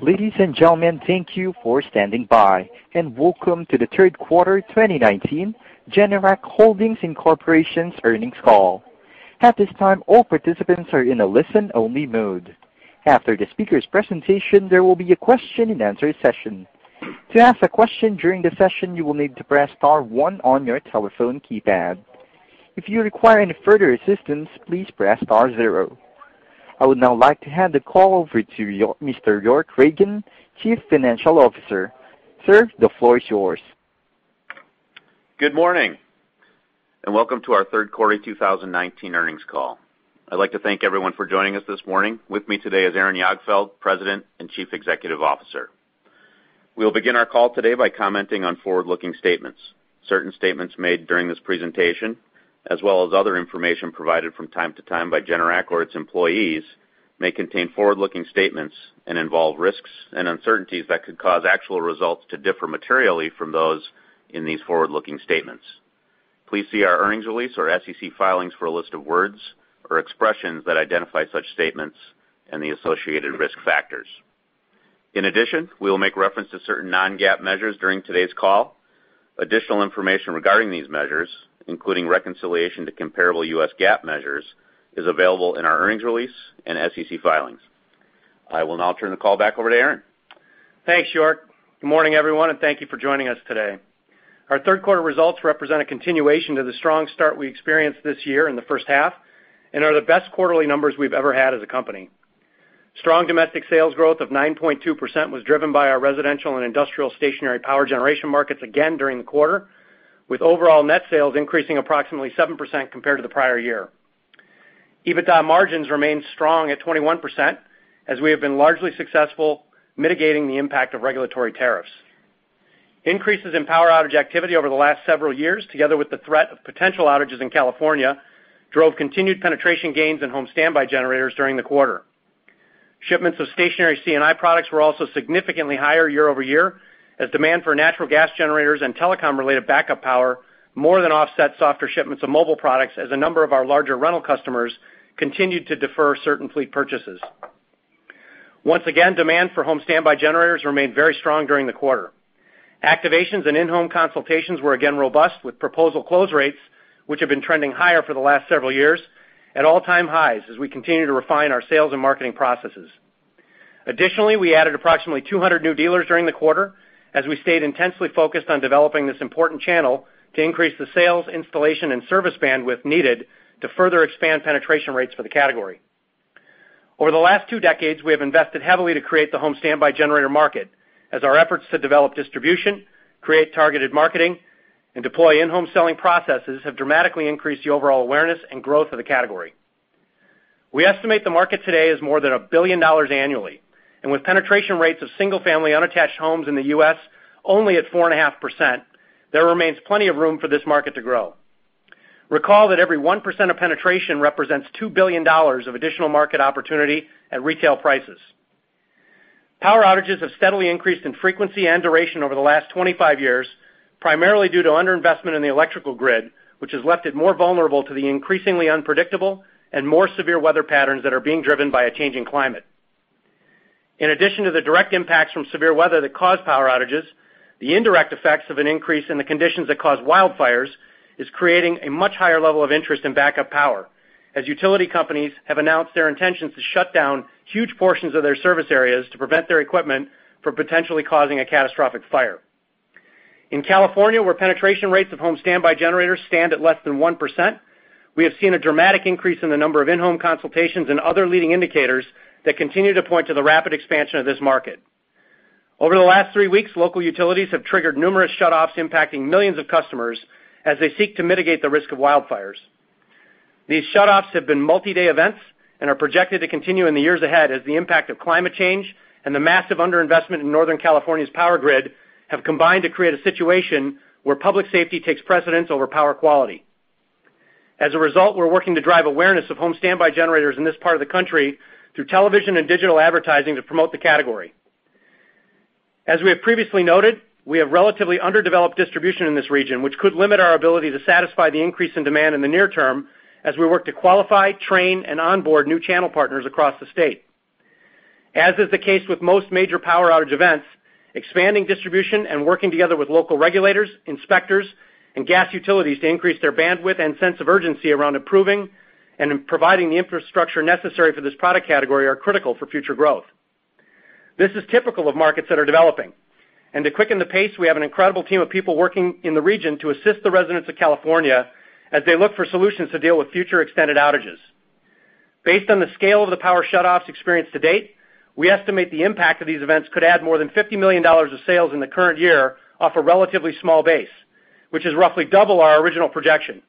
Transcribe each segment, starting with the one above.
Ladies and gentlemen, thank you for standing by, and welcome to the third quarter 2019 Generac Holdings Inc.'s earnings call. At this time, all participants are in a listen-only mode. After the speaker's presentation, there will be a question-and-answer session. To ask a question during the session, you will need to press star one on your telephone keypad. If you require any further assistance, please press star zero. I would now like to hand the call over to Mr. York Ragen, Chief Financial Officer. Sir, the floor is yours. Good morning, and welcome to our third quarter 2019 earnings call. I'd like to thank everyone for joining us this morning. With me today is Aaron Jagdfeld, President and Chief Executive Officer. We'll begin our call today by commenting on forward-looking statements. Certain statements made during this presentation, as well as other information provided from time to time by Generac or its employees, may contain forward-looking statements and involve risks and uncertainties that could cause actual results to differ materially from those in these forward-looking statements. Please see our earnings release or SEC filings for a list of words or expressions that identify such statements and the associated risk factors. In addition, we will make reference to certain non-GAAP measures during today's call. Additional information regarding these measures, including reconciliation to comparable U.S. GAAP measures, is available in our earnings release and SEC filings. I will now turn the call back over to Aaron. Thanks, York. Good morning, everyone, and thank you for joining us today. Our third quarter results represent a continuation to the strong start we experienced this year in the first half and are the best quarterly numbers we've ever had as a company. Strong domestic sales growth of 9.2% was driven by our residential and industrial stationary power generation markets again during the quarter, with overall net sales increasing approximately 7% compared to the prior year. EBITDA margins remained strong at 21%, as we have been largely successful mitigating the impact of regulatory tariffs. Increases in power outage activity over the last several years, together with the threat of potential outages in California, drove continued penetration gains in home standby generators during the quarter. Shipments of stationary C&I products were also significantly higher year-over-year, as demand for natural gas generators and telecom-related backup power more than offset softer shipments of mobile products as a number of our larger rental customers continued to defer certain fleet purchases. Once again, demand for home standby generators remained very strong during the quarter. Activations and in-home consultations were again robust, with proposal close rates, which have been trending higher for the last several years, at all-time highs as we continue to refine our sales and marketing processes. Additionally, we added approximately 200 new dealers during the quarter as we stayed intensely focused on developing this important channel to increase the sales, installation, and service bandwidth needed to further expand penetration rates for the category. Over the last two decades, we have invested heavily to create the home standby generator market as our efforts to develop distribution, create targeted marketing, and deploy in-home selling processes have dramatically increased the overall awareness and growth of the category. We estimate the market today is more than $1 billion annually, and with penetration rates of single-family unattached homes in the U.S. only at 4.5%, there remains plenty of room for this market to grow. Recall that every 1% of penetration represents $2 billion of additional market opportunity at retail prices. Power outages have steadily increased in frequency and duration over the last 25 years, primarily due to underinvestment in the electrical grid, which has left it more vulnerable to the increasingly unpredictable and more severe weather patterns that are being driven by a changing climate. In addition to the direct impacts from severe weather that cause power outages, the indirect effects of an increase in the conditions that cause wildfires is creating a much higher level of interest in backup power, as utility companies have announced their intentions to shut down huge portions of their service areas to prevent their equipment from potentially causing a catastrophic fire. In California, where penetration rates of home standby generators stand at less than 1%, we have seen a dramatic increase in the number of in-home consultations and other leading indicators that continue to point to the rapid expansion of this market. Over the last three weeks, local utilities have triggered numerous shutoffs impacting millions of customers as they seek to mitigate the risk of wildfires. These shutoffs have been multi-day events and are projected to continue in the years ahead as the impact of climate change and the massive underinvestment in Northern California's power grid have combined to create a situation where public safety takes precedence over power quality. As a result, we're working to drive awareness of home standby generators in this part of the country through television and digital advertising to promote the category. As we have previously noted, we have relatively underdeveloped distribution in this region, which could limit our ability to satisfy the increase in demand in the near term as we work to qualify, train, and onboard new channel partners across the state. As is the case with most major power outage events, expanding distribution and working together with local regulators, inspectors, and gas utilities to increase their bandwidth and sense of urgency around approving and providing the infrastructure necessary for this product category are critical for future growth. This is typical of markets that are developing. To quicken the pace, we have an incredible team of people working in the region to assist the residents of California as they look for solutions to deal with future extended outages. Based on the scale of the power shutoffs experienced to date, we estimate the impact of these events could add more than $50 million of sales in the current year off a relatively small base, which is roughly double our original projection.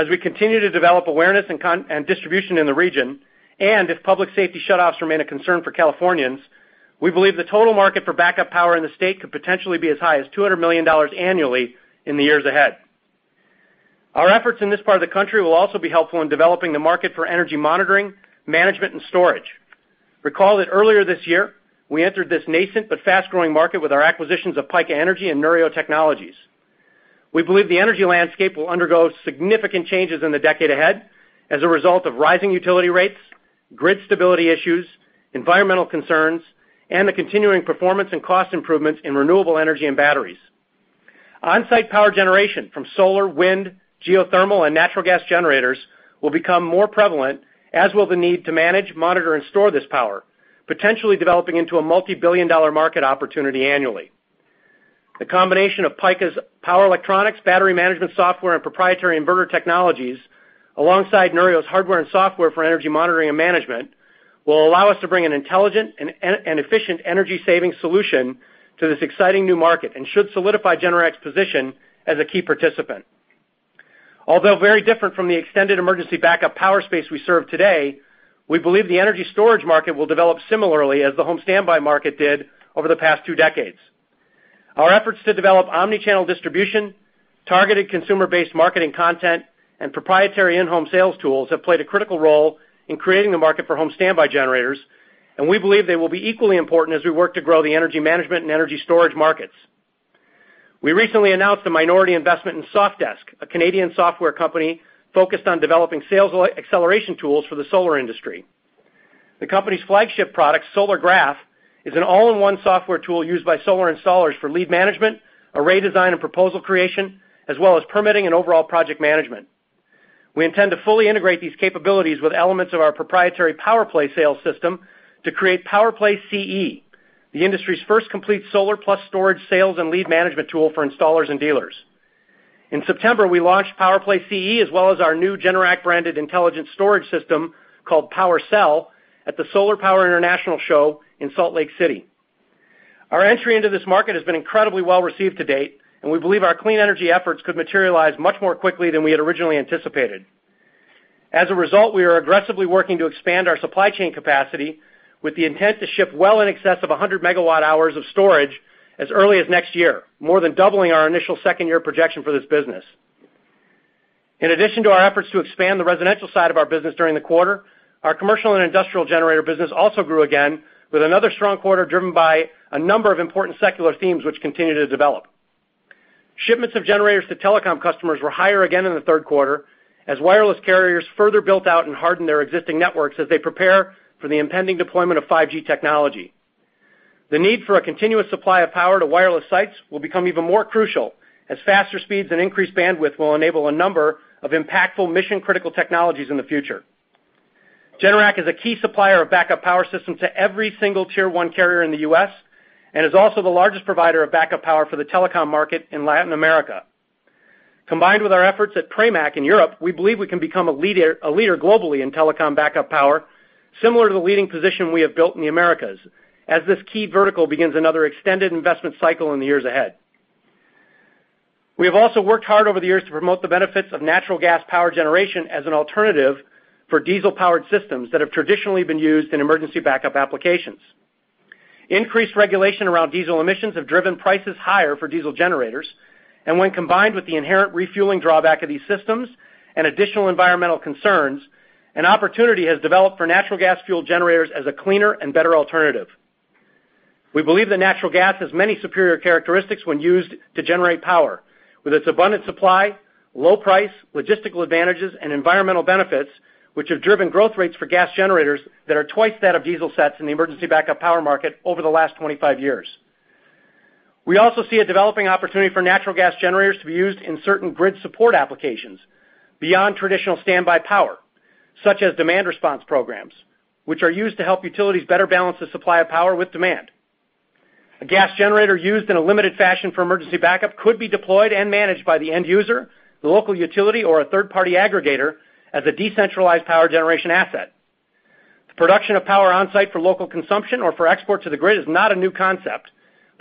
As we continue to develop awareness and distribution in the region, and if public safety shutoffs remain a concern for Californians, we believe the total market for backup power in the state could potentially be as high as $200 million annually in the years ahead. Our efforts in this part of the country will also be helpful in developing the market for energy monitoring, management, and storage. Recall that earlier this year, we entered this nascent but fast-growing market with our acquisitions of Pika Energy and Neurio Technologies. We believe the energy landscape will undergo significant changes in the decade ahead as a result of rising utility rates, grid stability issues, environmental concerns, and the continuing performance and cost improvements in renewable energy and batteries. On-site power generation from solar, wind, geothermal, and natural gas generators will become more prevalent, as will the need to manage, monitor, and store this power, potentially developing into a multibillion-dollar market opportunity annually. The combination of Pika's power electronics, battery management software, and proprietary inverter technologies, alongside Neurio's hardware and software for energy monitoring and management, will allow us to bring an intelligent and efficient energy-saving solution to this exciting new market and should solidify Generac's position as a key participant. Although very different from the extended emergency backup power space we serve today, we believe the energy storage market will develop similarly as the home standby market did over the past two decades. Our efforts to develop omni-channel distribution, targeted consumer-based marketing content, and proprietary in-home sales tools have played a critical role in creating the market for home standby generators, and we believe they will be equally important as we work to grow the energy management and energy storage markets. We recently announced a minority investment in Sofdesk, a Canadian software company focused on developing sales acceleration tools for the solar industry. The company's flagship product, Solargraf, is an all-in-one software tool used by solar installers for lead management, array design, and proposal creation, as well as permitting and overall project management. We intend to fully integrate these capabilities with elements of our proprietary PowerPlay sales system to create PowerPlay CE, the industry's first complete solar plus storage, sales and lead management tool for installers and dealers. In September, we launched PowerPlay CE, as well as our new Generac-branded intelligent storage system called PWRcell at the Solar Power International Show in Salt Lake City. We believe our clean energy efforts could materialize much more quickly than we had originally anticipated. As a result, we are aggressively working to expand our supply chain capacity with the intent to ship well in excess of 100 MWh of storage as early as next year, more than doubling our initial second-year projection for this business. In addition to our efforts to expand the residential side of our business during the quarter, our commercial and industrial generator business also grew again with another strong quarter, driven by a number of important secular themes which continue to develop. Shipments of generators to telecom customers were higher again in the third quarter as wireless carriers further built out and hardened their existing networks as they prepare for the impending deployment of 5G technology. The need for a continuous supply of power to wireless sites will become even more crucial as faster speeds and increased bandwidth will enable a number of impactful mission-critical technologies in the future. Generac is a key supplier of backup power systems to every single tier 1 carrier in the U.S. and is also the largest provider of backup power for the telecom market in Latin America. Combined with our efforts at Pramac in Europe, we believe we can become a leader globally in telecom backup power, similar to the leading position we have built in the Americas, as this key vertical begins another extended investment cycle in the years ahead. We have also worked hard over the years to promote the benefits of natural gas power generation as an alternative for diesel-powered systems that have traditionally been used in emergency backup applications. When combined with the inherent refueling drawback of these systems and additional environmental concerns, an opportunity has developed for natural gas-fueled generators as a cleaner and better alternative. We believe that natural gas has many superior characteristics when used to generate power. With its abundant supply, low price, logistical advantages, and environmental benefits, which have driven growth rates for gas generators that are twice that of diesel sets in the emergency backup power market over the last 25 years. We also see a developing opportunity for natural gas generators to be used in certain grid support applications beyond traditional standby power, such as demand response programs, which are used to help utilities better balance the supply of power with demand. A gas generator used in a limited fashion for emergency backup could be deployed and managed by the end user, the local utility, or a third-party aggregator as a decentralized power generation asset. The production of power on-site for local consumption or for export to the grid is not a new concept,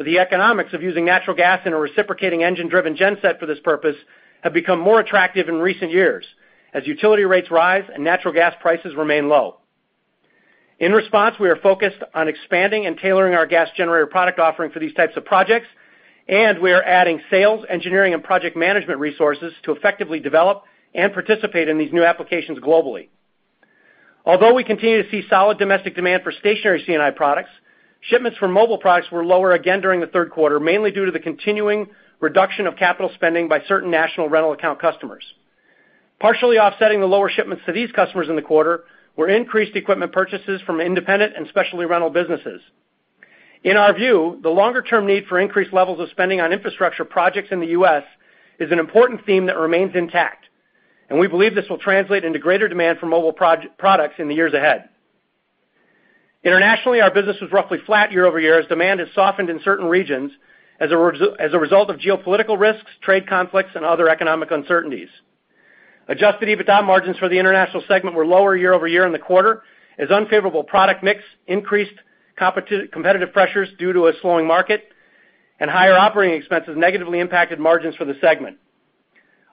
the economics of using natural gas in a reciprocating engine-driven genset for this purpose have become more attractive in recent years as utility rates rise and natural gas prices remain low. In response, we are focused on expanding and tailoring our gas generator product offering for these types of projects, and we are adding sales, engineering, and project management resources to effectively develop and participate in these new applications globally. Although we continue to see solid domestic demand for stationary C&I products, shipments for mobile products were lower again during the third quarter, mainly due to the continuing reduction of capital spending by certain national rental account customers. Partially offsetting the lower shipments to these customers in the quarter were increased equipment purchases from independent and specialty rental businesses. In our view, the longer-term need for increased levels of spending on infrastructure projects in the U.S. is an important theme that remains intact, and we believe this will translate into greater demand for mobile products in the years ahead. Internationally, our business was roughly flat year-over-year as demand has softened in certain regions as a result of geopolitical risks, trade conflicts, and other economic uncertainties. Adjusted EBITDA margins for the international segment were lower year-over-year in the quarter as unfavorable product mix increased competitive pressures due to a slowing market and higher operating expenses negatively impacted margins for the segment.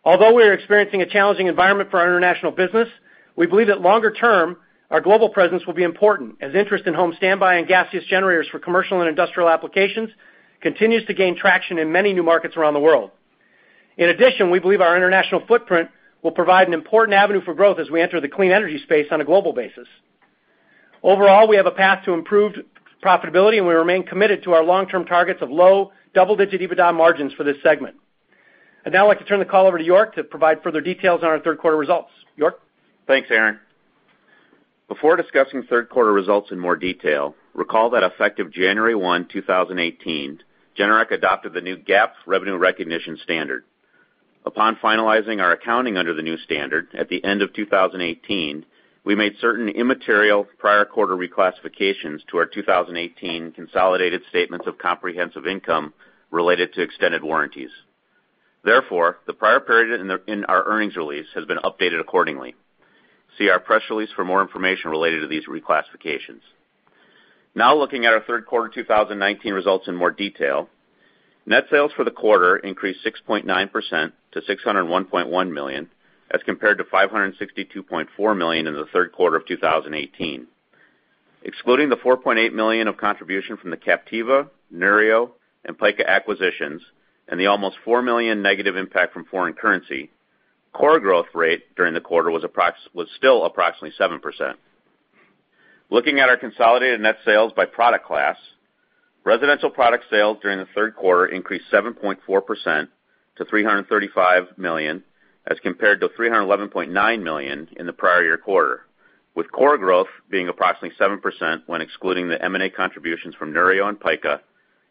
Although we are experiencing a challenging environment for our international business, we believe that longer term, our global presence will be important as interest in home standby and gaseous generators for commercial and industrial applications continues to gain traction in many new markets around the world. In addition, we believe our international footprint will provide an important avenue for growth as we enter the clean energy space on a global basis. Overall, we have a path to improved profitability, and we remain committed to our long-term targets of low double-digit EBITDA margins for this segment. I'd now like to turn the call over to York to provide further details on our third quarter results. York? Thanks, Aaron. Before discussing third quarter results in more detail, recall that effective January 1, 2018, Generac adopted the new GAAP revenue recognition standard. Upon finalizing our accounting under the new standard at the end of 2018, we made certain immaterial prior quarter reclassifications to our 2018 consolidated statements of comprehensive income related to extended warranties. Therefore, the prior period in our earnings release has been updated accordingly. See our press release for more information related to these reclassifications. Now, looking at our third quarter 2019 results in more detail. Net sales for the quarter increased 6.9% to $601.1 million, as compared to $562.4 million in the third quarter of 2018. Excluding the $4.8 million of contribution from the Captiva, Neurio, and Pika acquisitions, and the almost $4 million negative impact from foreign currency, core growth rate during the quarter was still approximately 7%. Looking at our consolidated net sales by product class, residential product sales during the third quarter increased 7.4% to $335 million, as compared to $311.9 million in the prior year quarter, with core growth being approximately 7% when excluding the M&A contributions from Neurio and Pika,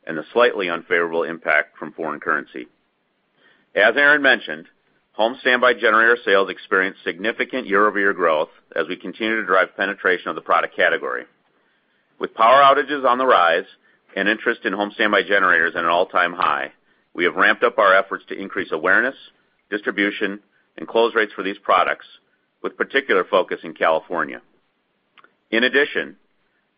and the slightly unfavorable impact from foreign currency. As Aaron mentioned, home standby generator sales experienced significant year-over-year growth as we continue to drive penetration of the product category. With power outages on the rise and interest in home standby generators at an all-time high, we have ramped up our efforts to increase awareness, distribution, and close rates for these products, with particular focus in California. In addition,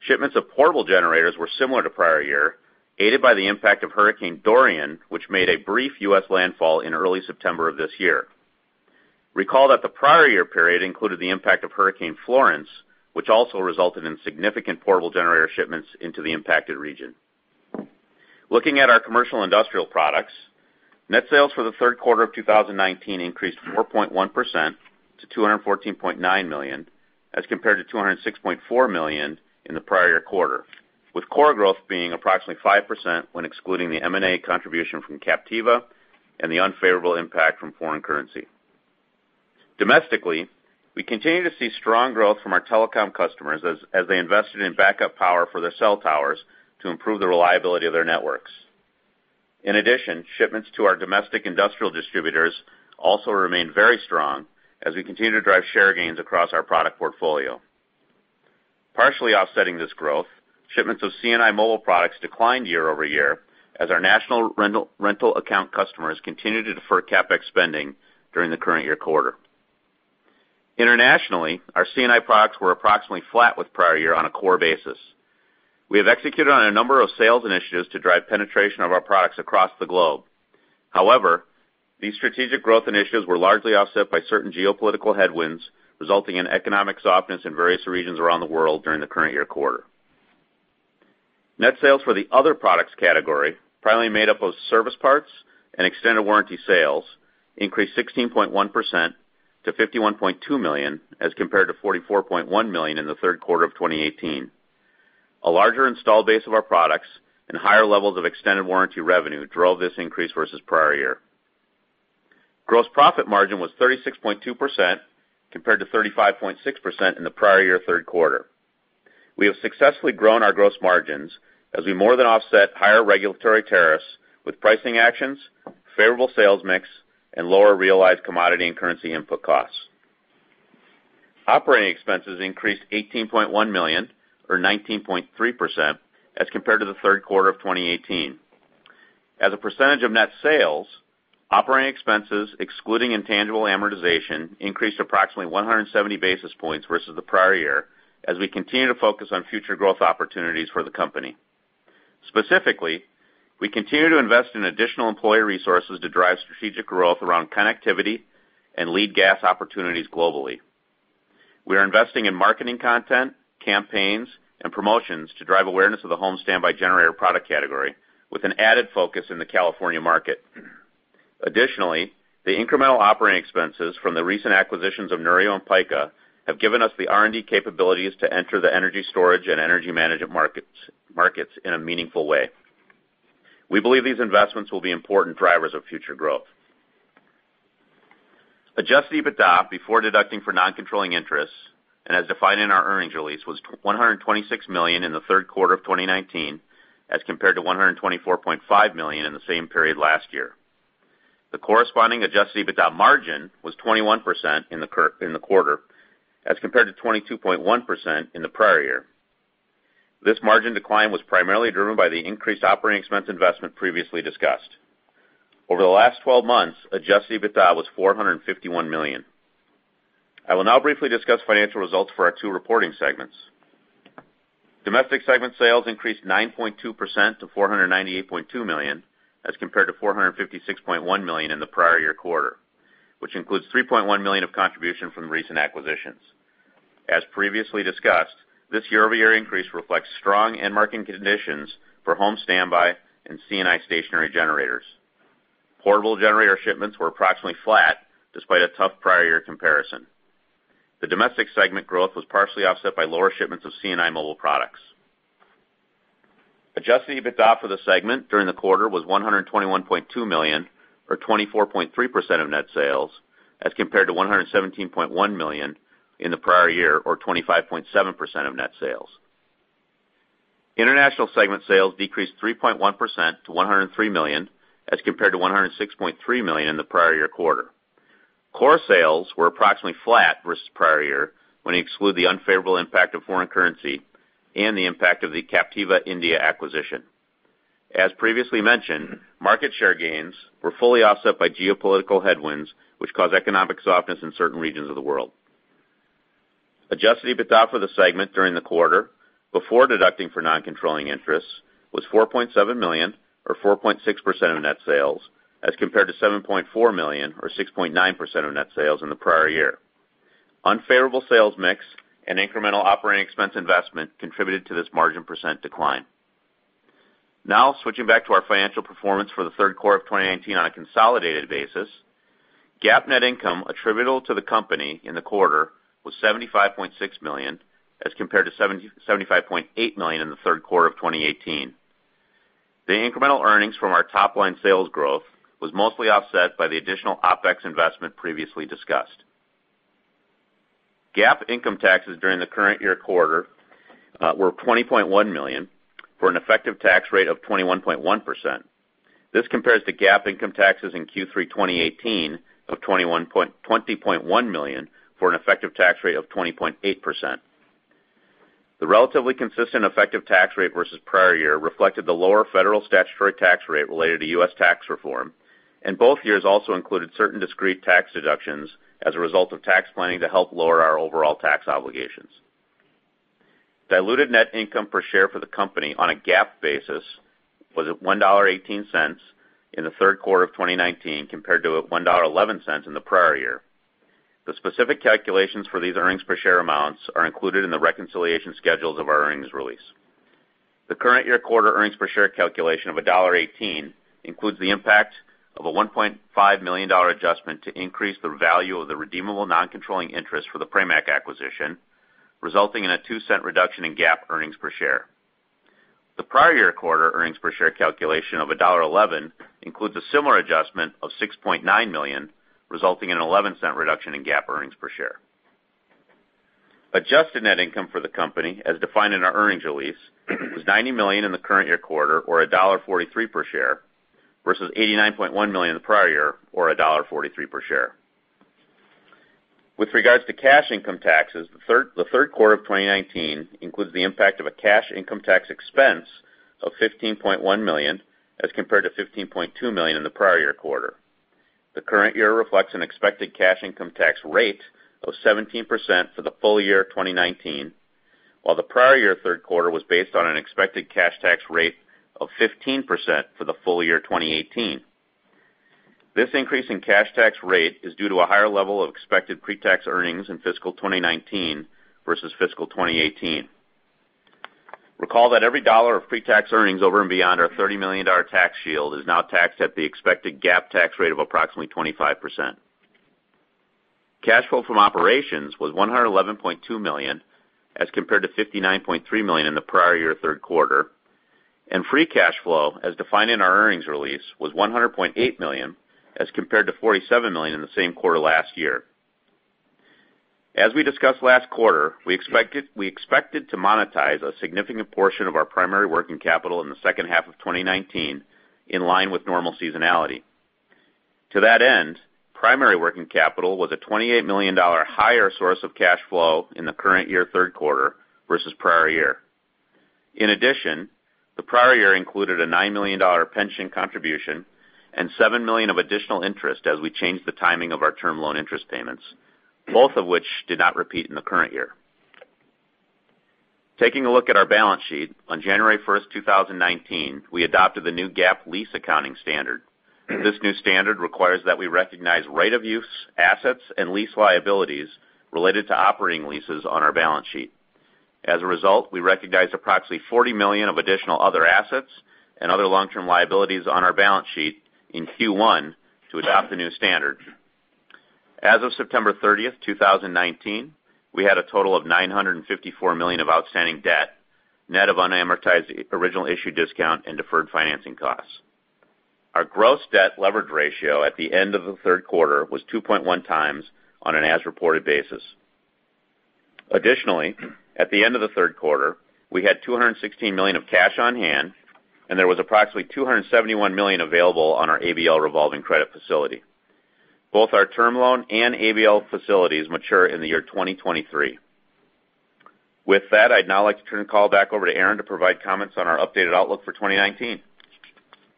shipments of portable generators were similar to prior year, aided by the impact of Hurricane Dorian, which made a brief U.S. landfall in early September of this year. Recall that the prior year period included the impact of Hurricane Florence, which also resulted in significant portable generator shipments into the impacted region. Looking at our commercial industrial products, net sales for the third quarter of 2019 increased 4.1% to $214.9 million, as compared to $206.4 million in the prior year quarter, with core growth being approximately 5% when excluding the M&A contribution from Captiva and the unfavorable impact from foreign currency. Domestically, we continue to see strong growth from our telecom customers as they invested in backup power for their cell towers to improve the reliability of their networks. In addition, shipments to our domestic industrial distributors also remained very strong as we continue to drive share gains across our product portfolio. Partially offsetting this growth, shipments of C&I mobile products declined year-over-year, as our national rental account customers continued to defer CapEx spending during the current year quarter. Internationally, our C&I products were approximately flat with prior year on a core basis. We have executed on a number of sales initiatives to drive penetration of our products across the globe. However, these strategic growth initiatives were largely offset by certain geopolitical headwinds, resulting in economic softness in various regions around the world during the current year quarter. Net sales for the other products category, primarily made up of service parts and extended warranty sales, increased 16.1% to $51.2 million, as compared to $44.1 million in the third quarter of 2018. A larger installed base of our products and higher levels of extended warranty revenue drove this increase versus prior year. Gross profit margin was 36.2%, compared to 35.6% in the prior year third quarter. We have successfully grown our gross margins as we more than offset higher regulatory tariffs with pricing actions, favorable sales mix, and lower realized commodity and currency input costs. Operating expenses increased $18.1 million, or 19.3%, as compared to the third quarter of 2018. As a percentage of net sales, operating expenses, excluding intangible amortization, increased approximately 170 basis points versus the prior year as we continue to focus on future growth opportunities for the company. Specifically, we continue to invest in additional employee resources to drive strategic growth around connectivity and natural gas opportunities globally. We are investing in marketing content, campaigns, and promotions to drive awareness of the home standby generator product category, with an added focus in the California market. Additionally, the incremental operating expenses from the recent acquisitions of Neurio and Pika have given us the R&D capabilities to enter the energy storage and energy management markets in a meaningful way. We believe these investments will be important drivers of future growth. Adjusted EBITDA before deducting for non-controlling interests, and as defined in our earnings release, was $126 million in the third quarter of 2019, as compared to $124.5 million in the same period last year. The corresponding adjusted EBITDA margin was 21% in the quarter, as compared to 22.1% in the prior year. This margin decline was primarily driven by the increased operating expense investment previously discussed. Over the last 12 months, adjusted EBITDA was $451 million. I will now briefly discuss financial results for our two reporting segments. Domestic segment sales increased 9.2% to $498.2 million, as compared to $456.1 million in the prior year quarter, which includes $3.1 million of contribution from recent acquisitions. As previously discussed, this year-over-year increase reflects strong end-market conditions for home standby and C&I stationary generators. Portable generator shipments were approximately flat despite a tough prior year comparison. The domestic segment growth was partially offset by lower shipments of C&I mobile products. Adjusted EBITDA for the segment during the quarter was $121.2 million or 24.3% of net sales, as compared to $117.1 million in the prior year, or 25.7% of net sales. International segment sales decreased 3.1% to $103 million, as compared to $106.3 million in the prior year quarter. Core sales were approximately flat versus the prior year when you exclude the unfavorable impact of foreign currency and the impact of the Captiva India acquisition. As previously mentioned, market share gains were fully offset by geopolitical headwinds, which caused economic softness in certain regions of the world. Adjusted EBITDA for the segment during the quarter, before deducting for non-controlling interests, was $4.7 million or 4.6% of net sales, as compared to $7.4 million or 6.9% of net sales in the prior year. Unfavorable sales mix and incremental operating expense investment contributed to this margin percent decline. Now, switching back to our financial performance for the third quarter of 2019 on a consolidated basis. GAAP net income attributable to the company in the quarter was $75.6 million, as compared to $75.8 million in the third quarter of 2018. The incremental earnings from our top-line sales growth was mostly offset by the additional OpEx investment previously discussed. GAAP income taxes during the current year quarter were $20.1 million, for an effective tax rate of 21.1%. This compares to GAAP income taxes in Q3 2018 of $20.1 million, for an effective tax rate of 20.8%. The relatively consistent effective tax rate versus the prior year reflected the lower federal statutory tax rate related to U.S. tax reform, and both years also included certain discrete tax deductions as a result of tax planning to help lower our overall tax obligations. Diluted net income per share for the company on a GAAP basis was at $1.18 in the third quarter of 2019, compared to $1.11 in the prior year. The specific calculations for these earnings per share amounts are included in the reconciliation schedules of our earnings release. The current year quarter earnings per share calculation of $1.18 includes the impact of a $1.5 million adjustment to increase the value of the redeemable non-controlling interest for the Pramac acquisition, resulting in a $0.02 reduction in GAAP earnings per share. The prior year quarter earnings per share calculation of $1.11 includes a similar adjustment of $6.9 million, resulting in a $0.11 reduction in GAAP earnings per share. Adjusted net income for the company, as defined in our earnings release, was $90 million in the current year quarter, or $1.43 per share, versus $89.1 million in the prior year, or $1.43 per share. With regards to cash income taxes, the third quarter of 2019 includes the impact of a cash income tax expense of $15.1 million as compared to $15.2 million in the prior year quarter. The current year reflects an expected cash income tax rate of 17% for the full-year 2019, while the prior year third quarter was based on an expected cash tax rate of 15% for the full-year 2018. This increase in cash tax rate is due to a higher level of expected pre-tax earnings in fiscal 2019 versus fiscal 2018. Recall that every dollar of pre-tax earnings over and beyond our $30 million tax shield is now taxed at the expected GAAP tax rate of approximately 25%. Cash flow from operations was $111.2 million, as compared to $59.3 million in the prior year third quarter, and free cash flow, as defined in our earnings release, was $100.8 million, as compared to $47 million in the same quarter last year. As we discussed last quarter, we expected to monetize a significant portion of our primary working capital in the second half of 2019, in line with normal seasonality. To that end, primary working capital was a $28 million higher source of cash flow in the current year third quarter versus the prior year. In addition, the prior year included a $9 million pension contribution and $7 million of additional interest as we changed the timing of our term loan interest payments, both of which did not repeat in the current year. Taking a look at our balance sheet, on January 1st, 2019, we adopted the new GAAP lease accounting standard. This new standard requires that we recognize right-of-use assets and lease liabilities related to operating leases on our balance sheet. As a result, we recognized approximately $40 million of additional other assets and other long-term liabilities on our balance sheet in Q1 to adopt the new standard. As of September 30th, 2019, we had a total of $954 million of outstanding debt, net of unamortized original issue discount and deferred financing costs. Our gross debt leverage ratio at the end of the third quarter was 2.1x on an as-reported basis. Additionally, at the end of the third quarter, we had $216 million of cash on hand, and there was approximately $271 million available on our ABL revolving credit facility. Both our term loan and ABL facilities mature in the year 2023. With that, I'd now like to turn the call back over to Aaron to provide comments on our updated outlook for 2019.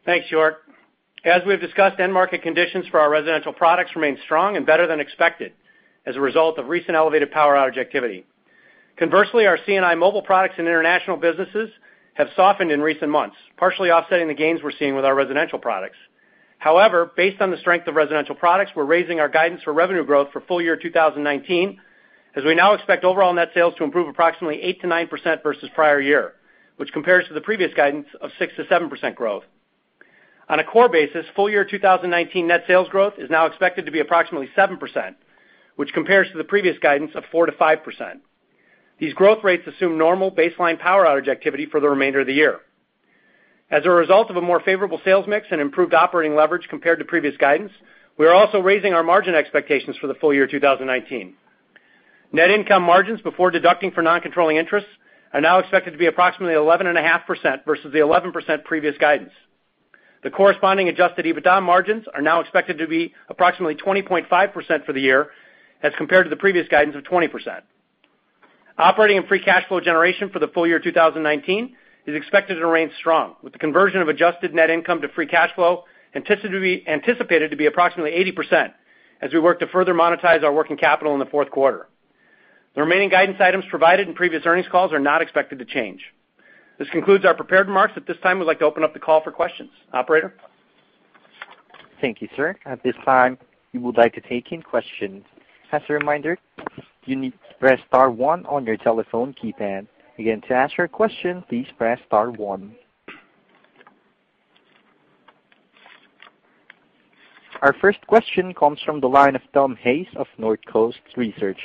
Thanks, York. As we've discussed, end market conditions for our residential products remain strong and better than expected as a result of recent elevated power outage activity. Conversely, our C&I mobile products and international businesses have softened in recent months, partially offsetting the gains we're seeing with our residential products. However, based on the strength of residential products, we're raising our guidance for revenue growth for full-year 2019. As we now expect overall net sales to improve approximately 8%-9% versus prior year, which compares to the previous guidance of 6%-7% growth. On a core basis, full-year 2019 net sales growth is now expected to be approximately 7%, which compares to the previous guidance of 4%-5%. These growth rates assume normal baseline power outage activity for the remainder of the year. As a result of a more favorable sales mix and improved operating leverage compared to previous guidance, we are also raising our margin expectations for the full-year 2019. Net income margins before deducting for non-controlling interests are now expected to be approximately 11.5% versus the 11% previous guidance. The corresponding adjusted EBITDA margins are now expected to be approximately 20.5% for the year, as compared to the previous guidance of 20%. Operating and free cash flow generation for the full-year 2019 is expected to remain strong, with the conversion of adjusted net income to free cash flow anticipated to be approximately 80% as we work to further monetize our working capital in the fourth quarter. The remaining guidance items provided in previous earnings calls are not expected to change. This concludes our prepared remarks. At this time, we'd like to open up the call for questions. Operator? Thank you, sir. At this time, we would like to take in questions. As a reminder, you need to press star one on your telephone keypad. Again, to ask your question, please press star one. Our first question comes from the line of Tom Hayes of Northcoast Research.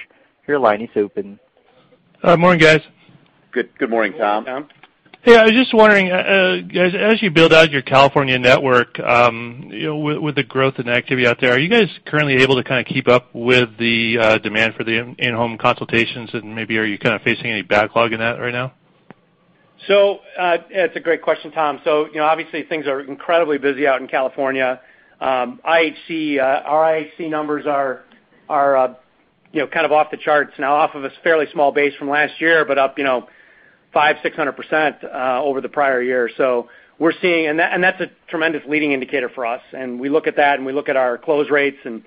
Your line is open. Morning, guys. Good morning, Tom. Hey, I was just wondering, as you build out your California network, with the growth and activity out there, are you guys currently able to keep up with the demand for the in-home consultations and maybe are you facing any backlog in that right now? It's a great question, Tom. Obviously things are incredibly busy out in California. Our IHC numbers are kind of off the charts now, off of a fairly small base from last year, but up 500%-600% over the prior year. That's a tremendous leading indicator for us, and we look at that, and we look at our close rates, and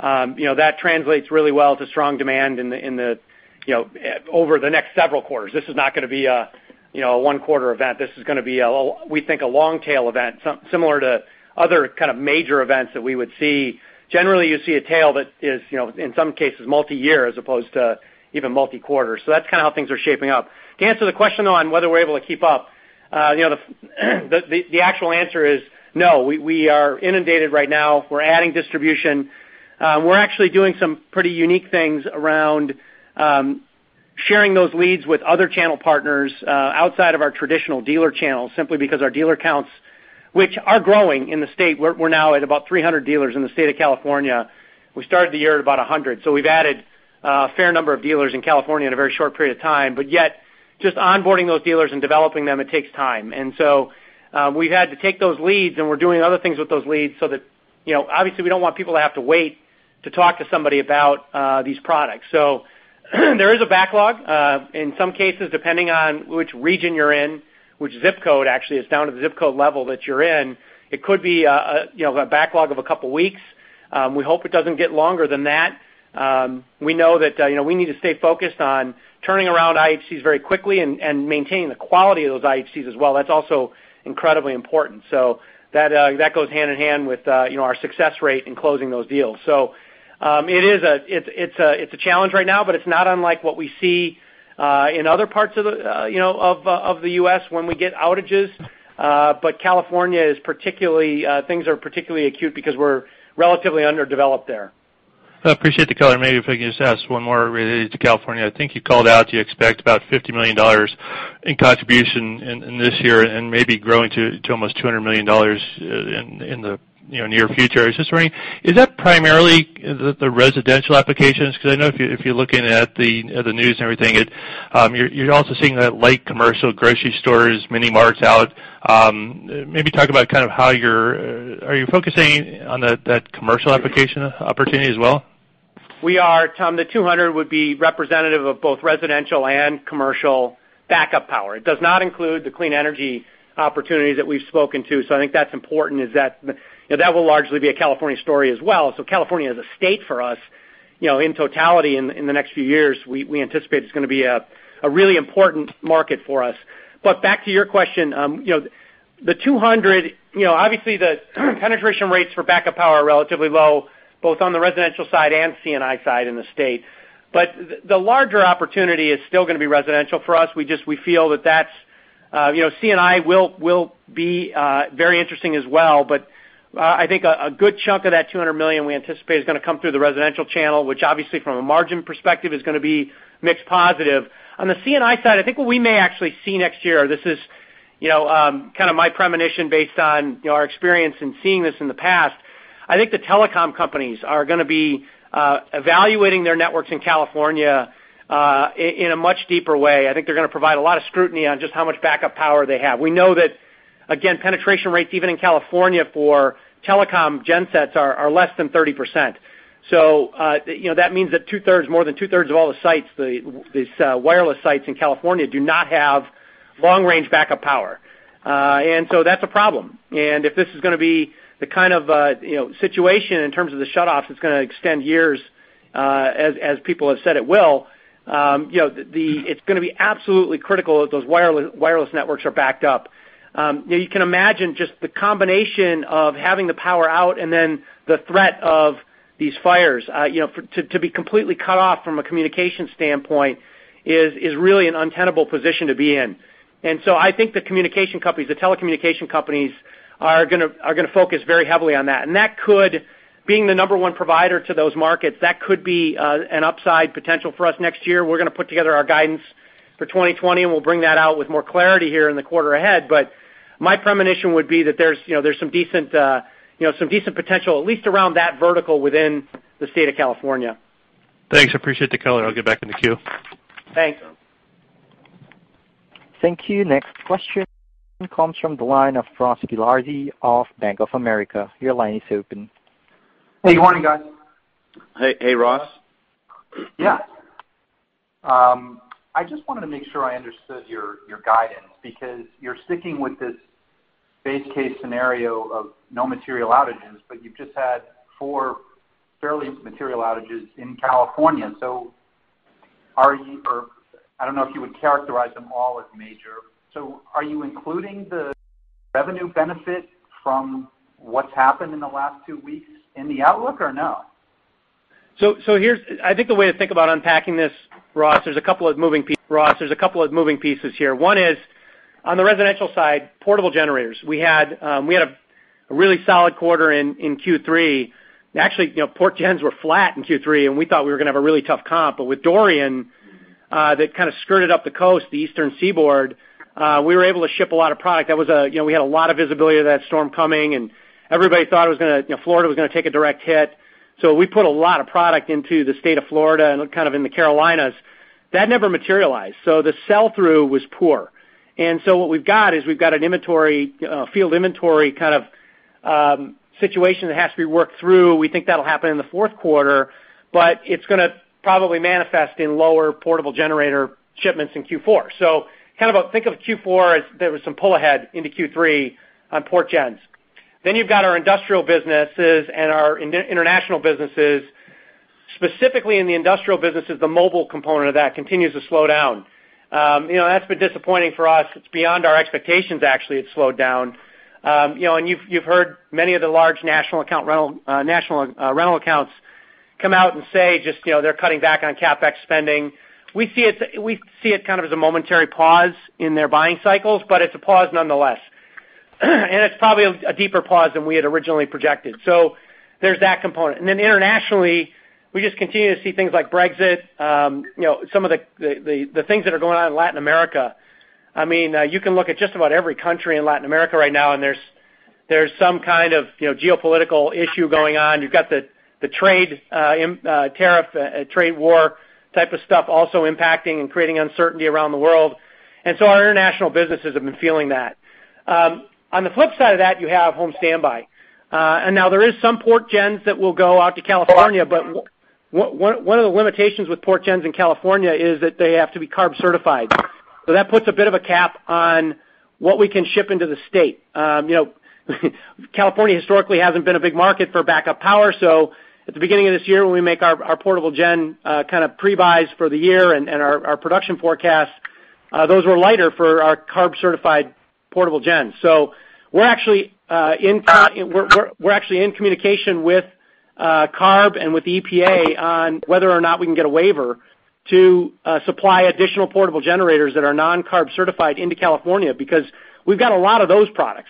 that translates really well to strong demand over the next several quarters. This is not going to be a one-quarter event. This is going to be, we think, a long tail event, similar to other kind of major events that we would see. Generally, you see a tail that is, in some cases, multi-year as opposed to even multi-quarter. That's kind of how things are shaping up. To answer the question, though, on whether we're able to keep up, the actual answer is no. We are inundated right now. We're adding distribution. We're actually doing some pretty unique things around sharing those leads with other channel partners outside of our traditional dealer channels, simply because our dealer counts, which are growing in the state. We're now at about 300 dealers in the state of California. We started the year at about 100, but yet, just onboarding those dealers and developing them, it takes time. We've had to take those leads, and we're doing other things with those leads, so that, obviously, we don't want people to have to wait to talk to somebody about these products. There is a backlog. In some cases, depending on which region you're in, which ZIP code, actually, it's down to the ZIP code level that you're in, it could be a backlog of a couple of weeks. We hope it doesn't get longer than that. We know that we need to stay focused on turning around IHCs very quickly and maintaining the quality of those IHCs as well. That's also incredibly important. That goes hand in hand with our success rate in closing those deals. It's a challenge right now, but it's not unlike what we see in other parts of the U.S. when we get outages. California, things are particularly acute because we're relatively underdeveloped there. I appreciate the color. Maybe if I could just ask one more related to California. I think you called out you expect about $50 million in contribution in this year and maybe growing to almost $200 million in the near future. I was just wondering, is that primarily the residential applications? Because I know if you're looking at the news and everything, you're also seeing that light commercial, grocery stores, mini marts out. Maybe talk about kind of how you're focusing on that commercial application opportunity as well? We are, Tom. The $200 million would be representative of both residential and commercial backup power. It does not include the clean energy opportunities that we've spoken to. I think that's important is that will largely be a California story as well. California as a state for us, in totality in the next few years, we anticipate it's going to be a really important market for us. Back to your question, the $200 million, obviously the penetration rates for backup power are relatively low, both on the residential side and C&I side in the state. The larger opportunity is still going to be residential for us. We feel that C&I will be very interesting as well, I think a good chunk of that $200 million we anticipate is going to come through the residential channel, which obviously from a margin perspective is going to be mix positive. On the C&I side, I think what we may actually see next year, this is kind of my premonition based on our experience in seeing this in the past, I think the telecom companies are going to be evaluating their networks in California in a much deeper way. I think they're going to provide a lot of scrutiny on just how much backup power they have. We know that, again, penetration rates, even in California for telecom gen sets are less than 30%. That means that more than 2/3 of all the sites, these wireless sites in California, do not have long-range backup power. That's a problem. If this is going to be the kind of situation in terms of the shutoffs, it's going to extend years, as people have said it will. It's going to be absolutely critical that those wireless networks are backed up. You can imagine just the combination of having the power out and then the threat of these fires. To be completely cut off from a communication standpoint is really an untenable position to be in. I think the communication companies, the telecommunication companies, are going to focus very heavily on that. That could, being the number one provider to those markets, that could be an upside potential for us next year. We're going to put together our guidance for 2020, and we'll bring that out with more clarity here in the quarter ahead. My premonition would be that there's some decent potential, at least around that vertical within the state of California. Thanks. Appreciate the color. I'll get back in the queue. Thanks. Thank you. Next question comes from the line of Ross Gilardi of Bank of America. Your line is open. Hey, good morning, guys. Hey, Ross. Yeah. I just wanted to make sure I understood your guidance because you're sticking with this base case scenario of no material outages, but you've just had four fairly material outages in California. I don't know if you would characterize them all as major. Are you including the revenue benefit from what's happened in the last two weeks in the outlook or no? I think the way to think about unpacking this, Ross, there's a couple of moving pieces here. One is on the residential side, portable generators. We had a really solid quarter in Q3. Actually, port gens were flat in Q3, and we thought we were going to have a really tough comp. With Hurricane Dorian, that kind of skirted up the coast, the eastern seaboard, we were able to ship a lot of product. We had a lot of visibility of that storm coming, and everybody thought Florida was going to take a direct hit. We put a lot of product into the state of Florida and kind of in the Carolinas. That never materialized. The sell-through was poor. What we've got is we've got a field inventory kind of situation that has to be worked through. We think that will happen in the fourth quarter, but it's going to probably manifest in lower portable generator shipments in Q4. Kind of think of Q4 as there was some pull ahead into Q3 on port gens. You've got our industrial businesses and our international businesses. Specifically in the industrial businesses, the mobile component of that continues to slow down. That's been disappointing for us. It's beyond our expectations, actually, it slowed down. You've heard many of the large national rental accounts come out and say just they're cutting back on CapEx spending. We see it kind of as a momentary pause in their buying cycles, but it's a pause nonetheless. It's probably a deeper pause than we had originally projected. There's that component. Internationally, we just continue to see things like Brexit, some of the things that are going on in Latin America. You can look at just about every country in Latin America right now, and there's some kind of geopolitical issue going on. You've got the tariff trade war type of stuff also impacting and creating uncertainty around the world. Our international businesses have been feeling that. On the flip side of that, you have home standby. Now there is some port gens that will go out to California, but one of the limitations with port gens in California is that they have to be CARB-certified. That puts a bit of a cap on what we can ship into the state. California historically hasn't been a big market for backup power. At the beginning of this year, when we make our portable gen kind of pre-buys for the year and our production forecast, those were lighter for our CARB-certified portable gens. We're actually in communication with CARB and with the EPA on whether or not we can get a waiver to supply additional portable generators that are non-CARB certified into California because we've got a lot of those products,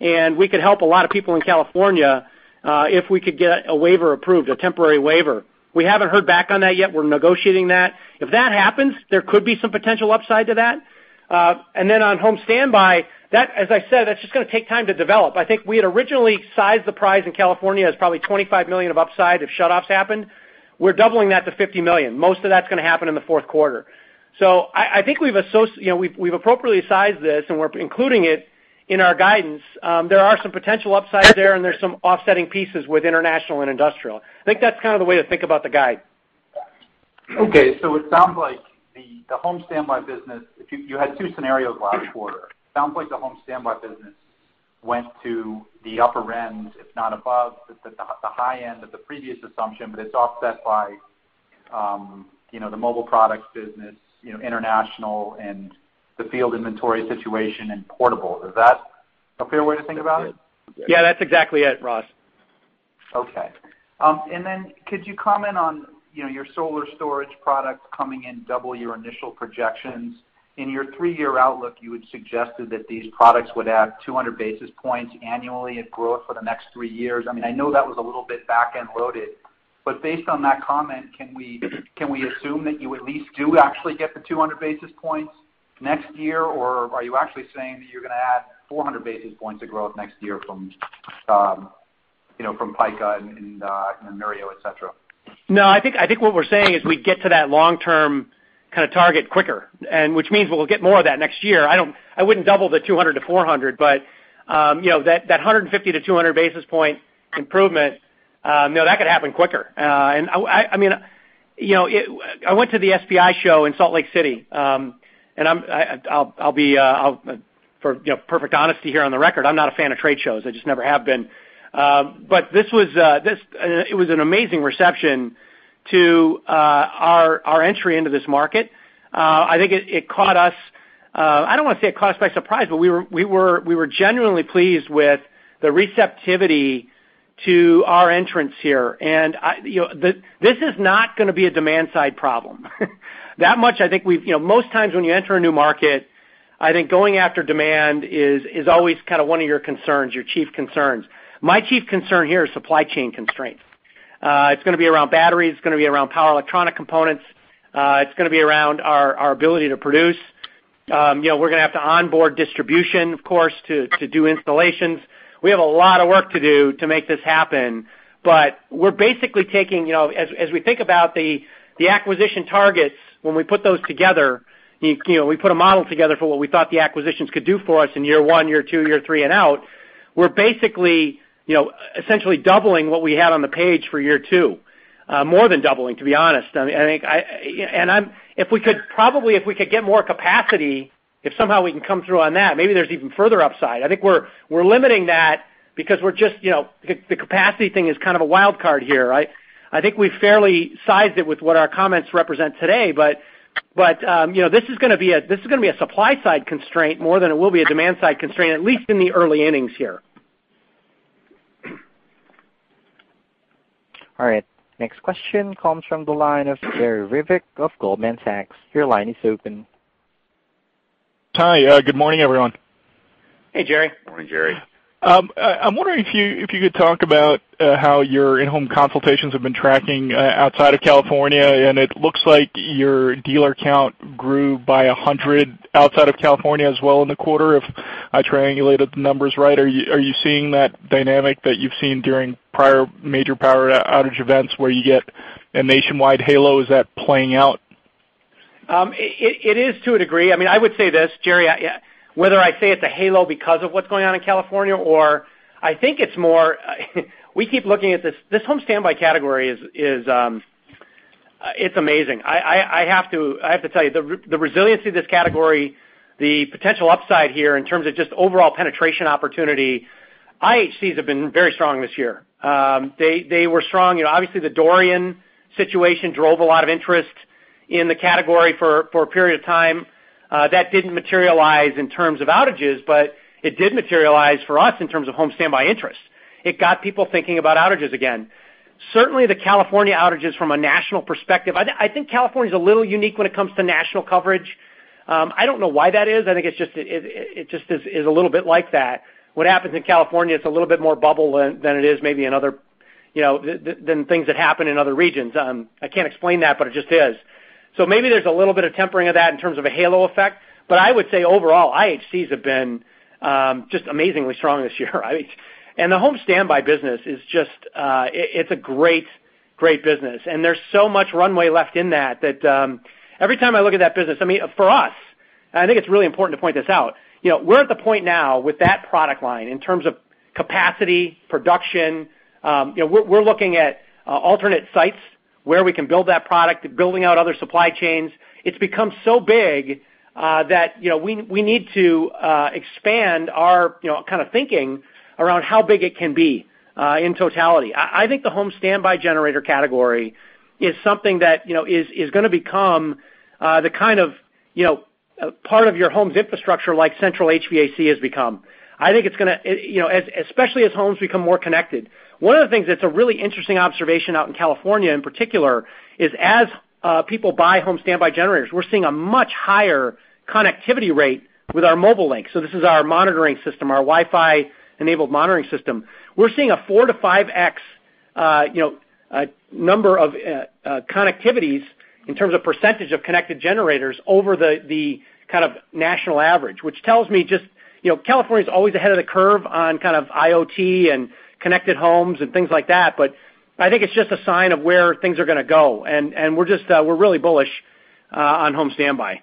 and we could help a lot of people in California if we could get a waiver approved, a temporary waiver. We haven't heard back on that yet. We're negotiating that. If that happens, there could be some potential upside to that. On home standby, as I said, that's just going to take time to develop. I think we had originally sized the prize in California as probably $25 million of upside if shutoffs happened. We're doubling that to $50 million. Most of that's going to happen in the fourth quarter. I think we've appropriately sized this, and we're including it in our guidance. There are some potential upsides there, and there's some offsetting pieces with international and industrial. I think that's kind of the way to think about the guide. Okay. It sounds like the home standby business, you had two scenarios last quarter. It sounds like the home standby business went to the upper end, if not above the high end of the previous assumption, but it's offset by the mobile products business, international and the field inventory situation and portable. Is that a fair way to think about it? Yeah, that's exactly it, Ross. Okay. Could you comment on your solar storage product coming in double your initial projections? In your three-year outlook, you had suggested that these products would add 200 basis points annually in growth for the next three years. I know that was a little bit back-end loaded, but based on that comment, can we assume that you at least do actually get the 200 basis points next year? Are you actually saying that you're going to add 400 basis points of growth next year from Pika and Neurio, et cetera? No, I think what we're saying is we get to that long-term kind of target quicker, which means we'll get more of that next year. I wouldn't double the 200 to 400, but that 150 to 200 basis point improvement, that could happen quicker. I went to the SPI show in Salt Lake City. For perfect honesty here on the record, I'm not a fan of trade shows. I just never have been. It was an amazing reception to our entry into this market. I think it caught us, I don't want to say it caught us by surprise, but we were genuinely pleased with the receptivity to our entrance here. This is not going to be a demand-side problem. Most times when you enter a new market, I think going after demand is always kind of one of your concerns, your chief concerns. My chief concern here is supply chain constraints. It's going to be around batteries, it's going to be around power electronic components, it's going to be around our ability to produce. We're going to have to onboard distribution, of course, to do installations. We have a lot of work to do to make this happen. As we think about the acquisition targets, when we put those together, we put a model together for what we thought the acquisitions could do for us in year one, year two, year three, and out. We're basically essentially doubling what we had on the page for year two. More than doubling, to be honest. Probably, if we could get more capacity, if somehow we can come through on that, maybe there's even further upside. I think we're limiting that because the capacity thing is kind of a wild card here, right? I think we've fairly sized it with what our comments represent today, this is going to be a supply side constraint more than it will be a demand side constraint, at least in the early innings here. All right. Next question comes from the line of Jerry Revich of Goldman Sachs. Your line is open. Hi. Good morning, everyone. Hey, Jerry. Morning, Jerry. I'm wondering if you could talk about how your in-home consultations have been tracking outside of California. It looks like your dealer count grew by 100 outside of California as well in the quarter, if I triangulated the numbers right. Are you seeing that dynamic that you've seen during prior major power outage events where you get a nationwide halo? Is that playing out? It is to a degree. I would say this, Jerry, whether I say it's a halo because of what's going on in California, I think it's more, we keep looking at this home standby category, it's amazing. I have to tell you, the resiliency of this category, the potential upside here in terms of just overall penetration opportunity, IHCs have been very strong this year. They were strong. Obviously, the Hurricane Dorian situation drove a lot of interest in the category for a period of time. That didn't materialize in terms of outages, but it did materialize for us in terms of home standby interest. It got people thinking about outages again. Certainly, the California outages from a national perspective, I think California's a little unique when it comes to national coverage. I don't know why that is. I think it just is a little bit like that. What happens in California, it's a little bit more bubble than things that happen in other regions. I can't explain that, but it just is. Maybe there's a little bit of tempering of that in terms of a halo effect. I would say overall, IHCs have been just amazingly strong this year, right? The home standby business, it's a great business, and there's so much runway left in that, every time I look at that business, for us, and I think it's really important to point this out. We're at the point now with that product line in terms of capacity, production. We're looking at alternate sites where we can build that product, building out other supply chains. It's become so big that we need to expand our kind of thinking around how big it can be in totality. The home standby generator category is something that is going to become the kind of part of your home's infrastructure like central HVAC has become. Especially as homes become more connected. One of the things that's a really interesting observation out in California in particular, is as people buy home standby generators, we're seeing a much higher connectivity rate with our Mobile Link. This is our monitoring system, our Wi-Fi enabled monitoring system. We're seeing a 4x-5x number of connectivities in terms of percentage of connected generators over the kind of national average, which tells me just, California is always ahead of the curve on kind of IoT and connected homes and things like that, I think it's just a sign of where things are going to go, and we're really bullish on home standby.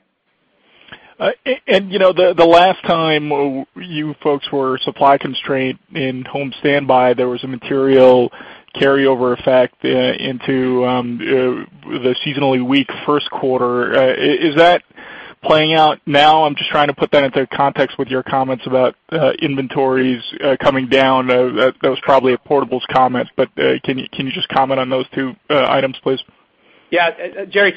The last time you folks were supply constraint in home standby, there was a material carryover effect into the seasonally weak first quarter. Is that playing out now? I'm just trying to put that into context with your comments about inventories coming down. That was probably a portables comment, can you just comment on those two items, please? Yeah. Jerry,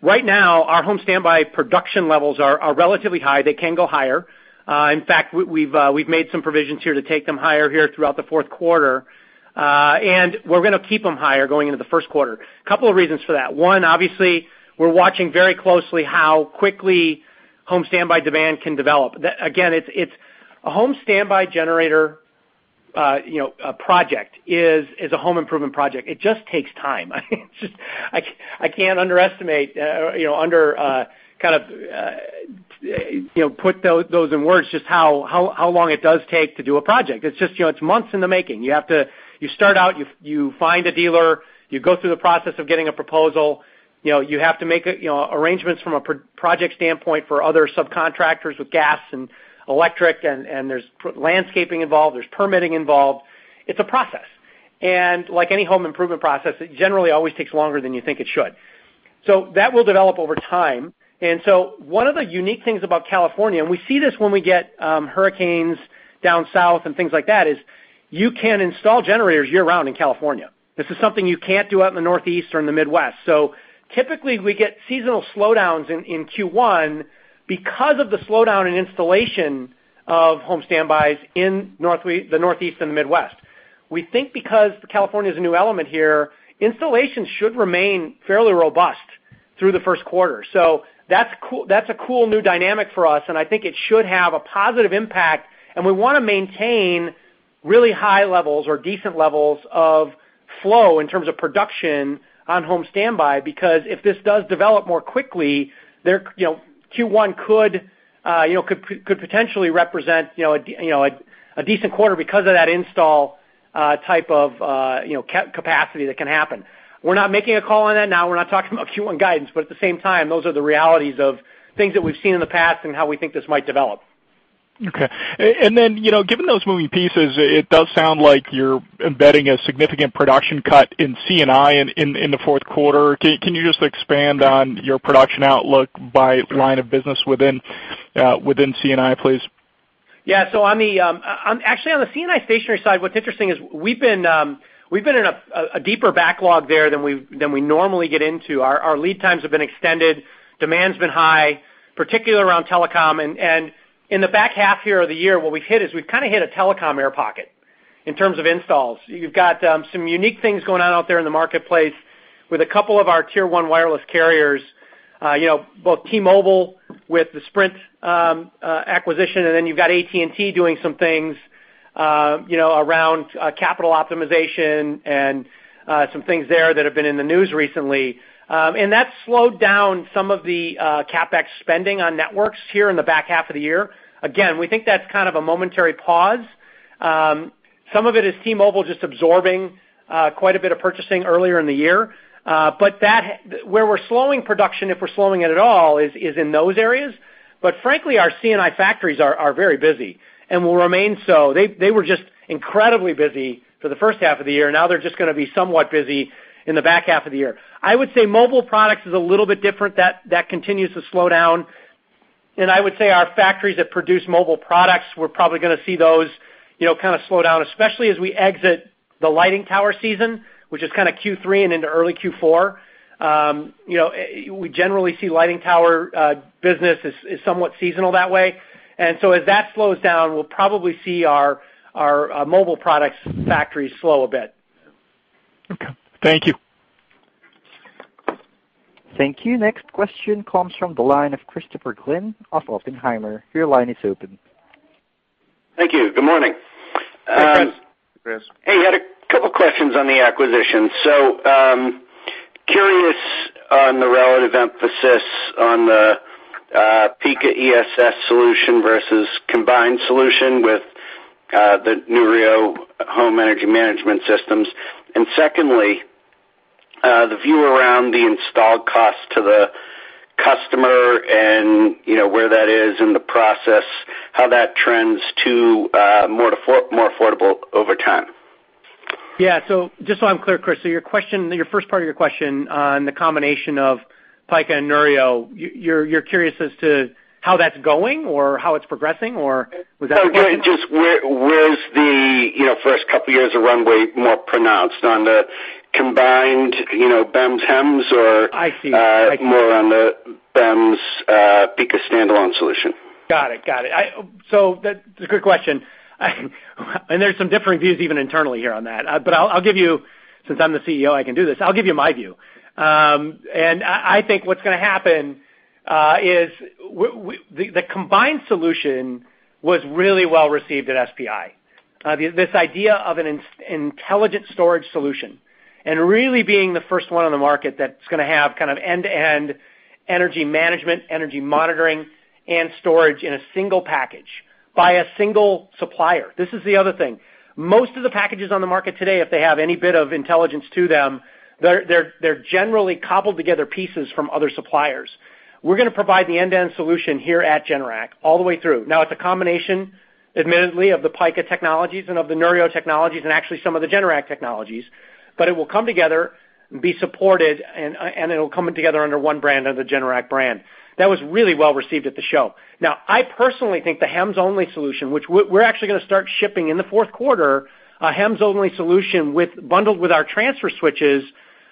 right now, our home standby production levels are relatively high. They can go higher. In fact, we've made some provisions here to take them higher here throughout the fourth quarter. We're going to keep them higher going into the first quarter. Couple of reasons for that. One, obviously, we're watching very closely how quickly home standby demand can develop. Again, a home standby generator project is a home improvement project. It just takes time. I can't underestimate, put those in words, just how long it does take to do a project. It's months in the making. You start out, you find a dealer, you go through the process of getting a proposal. You have to make arrangements from a project standpoint for other subcontractors with gas and electric, and there's landscaping involved, there's permitting involved. It's a process. Like any home improvement process, it generally always takes longer than you think it should. That will develop over time. One of the unique things about California, and we see this when we get hurricanes down south and things like that, is you can install generators year-round in California. This is something you can't do out in the Northeast or in the Midwest. Typically, we get seasonal slowdowns in Q1 because of the slowdown in installation of home standbys in the Northeast and the Midwest. We think because California's a new element here, installations should remain fairly robust through the first quarter. That's a cool new dynamic for us, and I think it should have a positive impact. We want to maintain really high levels or decent levels of flow in terms of production on home standby, because if this does develop more quickly, Q1 could potentially represent a decent quarter because of that install type of capacity that can happen. We're not making a call on that now. We're not talking about Q1 guidance, but at the same time, those are the realities of things that we've seen in the past and how we think this might develop. Okay. Given those moving pieces, it does sound like you're embedding a significant production cut in C&I in the fourth quarter. Can you just expand on your production outlook by line of business within C&I, please? Yeah. Actually on the C&I stationary side, what's interesting is we've been in a deeper backlog there than we normally get into. Our lead times have been extended. Demand's been high, particularly around telecom. In the back half here of the year, what we've hit is we've kind of hit a telecom air pocket in terms of installs. You've got some unique things going on out there in the marketplace with a couple of our Tier 1 wireless carriers, both T-Mobile with the Sprint acquisition, and you've got AT&T doing some things around capital optimization and some things there that have been in the news recently. That's slowed down some of the CapEx spending on networks here in the back half of the year. Again, we think that's kind of a momentary pause. Some of it is T-Mobile just absorbing quite a bit of purchasing earlier in the year. Where we're slowing production, if we're slowing it at all, is in those areas. Frankly, our C&I factories are very busy and will remain so. They were just incredibly busy for the first half of the year. Now they're just going to be somewhat busy in the back half of the year. I would say mobile products is a little bit different. That continues to slow down. I would say our factories that produce mobile products, we're probably going to see those kind of slow down, especially as we exit the lighting tower season, which is kind of Q3 and into early Q4. We generally see lighting tower business is somewhat seasonal that way. As that slows down, we'll probably see our mobile products factories slow a bit. Okay. Thank you. Thank you. Next question comes from the line of Christopher Glynn of Oppenheimer. Your line is open. Thank you. Good morning. Hi, Chris. Chris. Hey, had a couple questions on the acquisition. Curious on the relative emphasis on the Pika ESS solution versus combined solution with the Neurio home energy management systems. Secondly, the view around the installed cost to the customer and where that is in the process, how that trends to more affordable over time. Yeah. Just so I'm clear, Chris, so your first part of your question on the combination of Pika and Neurio, you're curious as to how that's going or how it's progressing or was that- No, just where is the first couple years of runway more pronounced on the combined, BEMS/HEMS or- I see more on the BEMS/Pika standalone solution. That's a good question. There's some different views even internally here on that. I'll give you, since I'm the CEO, I can do this. I'll give you my view. I think what's going to happen is the combined solution was really well-received at SPI. This idea of an intelligent storage solution and really being the first one on the market that's going to have kind of end-to-end energy management, energy monitoring, and storage in a single package by a single supplier. This is the other thing. Most of the packages on the market today, if they have any bit of intelligence to them, they're generally cobbled together pieces from other suppliers. We're going to provide the end-to-end solution here at Generac all the way through. It's a combination, admittedly, of the Pika technologies and of the Neurio technologies and actually some of the Generac technologies, but it will come together and be supported, and it'll come together under one brand, under the Generac brand. That was really well received at the show. I personally think the HEMS-only solution, which we're actually going to start shipping in the fourth quarter, a HEMS-only solution bundled with our transfer switches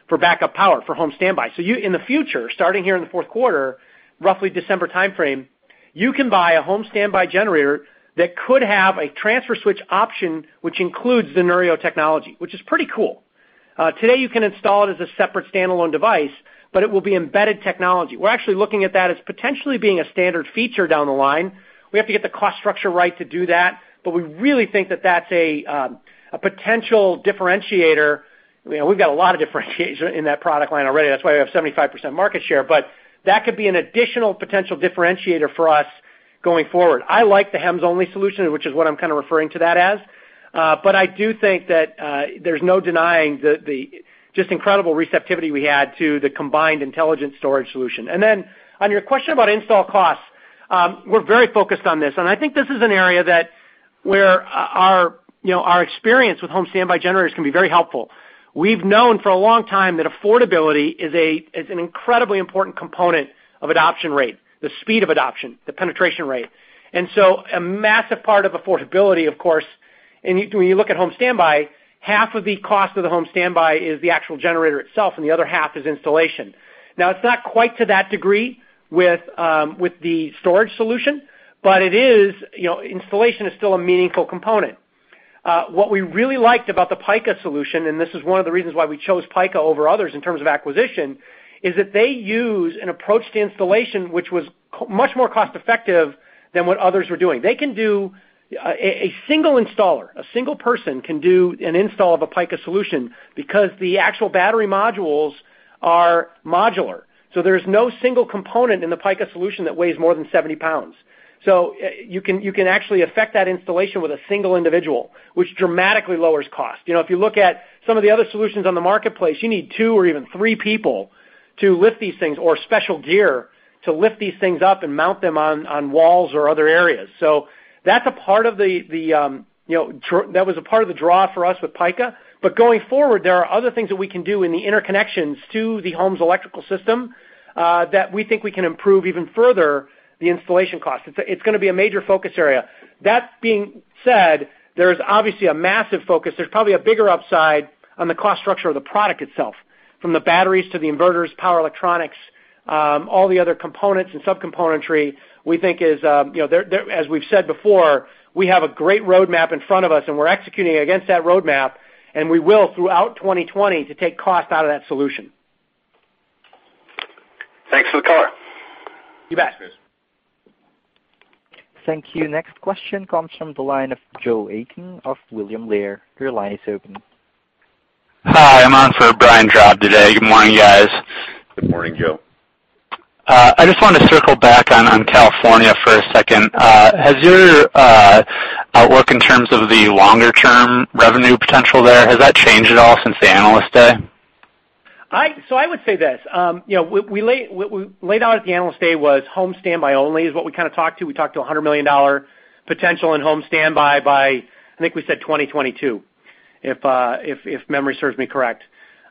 for backup power for home standby. You, in the future, starting here in the fourth quarter, roughly December timeframe, you can buy a home standby generator that could have a transfer switch option, which includes the Neurio technology, which is pretty cool. Today, you can install it as a separate standalone device, but it will be embedded technology. We're actually looking at that as potentially being a standard feature down the line. We have to get the cost structure right to do that, we really think that that's a potential differentiator. We've got a lot of differentiation in that product line already. That's why we have 75% market share, that could be an additional potential differentiator for us going forward. I like the HEMS-only solution, which is what I'm kind of referring to that as. I do think that there's no denying the just incredible receptivity we had to the combined intelligence storage solution. On your question about install costs. We're very focused on this, and I think this is an area where our experience with home standby generators can be very helpful. We've known for a long time that affordability is an incredibly important component of adoption rate, the speed of adoption, the penetration rate. A massive part of affordability, of course, when you look at home standby, half of the cost of the home standby is the actual generator itself, and the other half is installation. Now, it's not quite to that degree with the storage solution, but installation is still a meaningful component. What we really liked about the Pika solution, this is one of the reasons why we chose Pika over others in terms of acquisition, is that they use an approach to installation which was much more cost-effective than what others were doing. A single installer, a single person can do an install of a Pika solution because the actual battery modules are modular, there's no single component in the Pika solution that weighs more than 70 pounds. You can actually effect that installation with a single individual, which dramatically lowers cost. If you look at some of the other solutions on the marketplace, you need two or even three people to lift these things or special gear to lift these things up and mount them on walls or other areas. That was a part of the draw for us with Pika. Going forward, there are other things that we can do in the interconnections to the home's electrical system that we think we can improve even further the installation cost. It's going to be a major focus area. That being said, there's obviously a massive focus. There's probably a bigger upside on the cost structure of the product itself, from the batteries to the inverters, power electronics, all the other components and subcomponentry we think is. As we've said before, we have a great roadmap in front of us, we're executing against that roadmap, we will throughout 2020 to take cost out of that solution. Thanks for the color. You bet. Thank you. Next question comes from the line of Joe Aiken of William Blair. Your line is open. Hi, I'm on for Brian Drab today. Good morning, guys. Good morning, Joe. I just want to circle back on California for a second. Has your outlook in terms of the longer-term revenue potential there, has that changed at all since the Analyst Day? I would say this. What we laid out at the Analyst Day was home standby only, is what we kind of talked to. We talked to $100 million potential in home standby by, I think we said 2022, if memory serves me correct.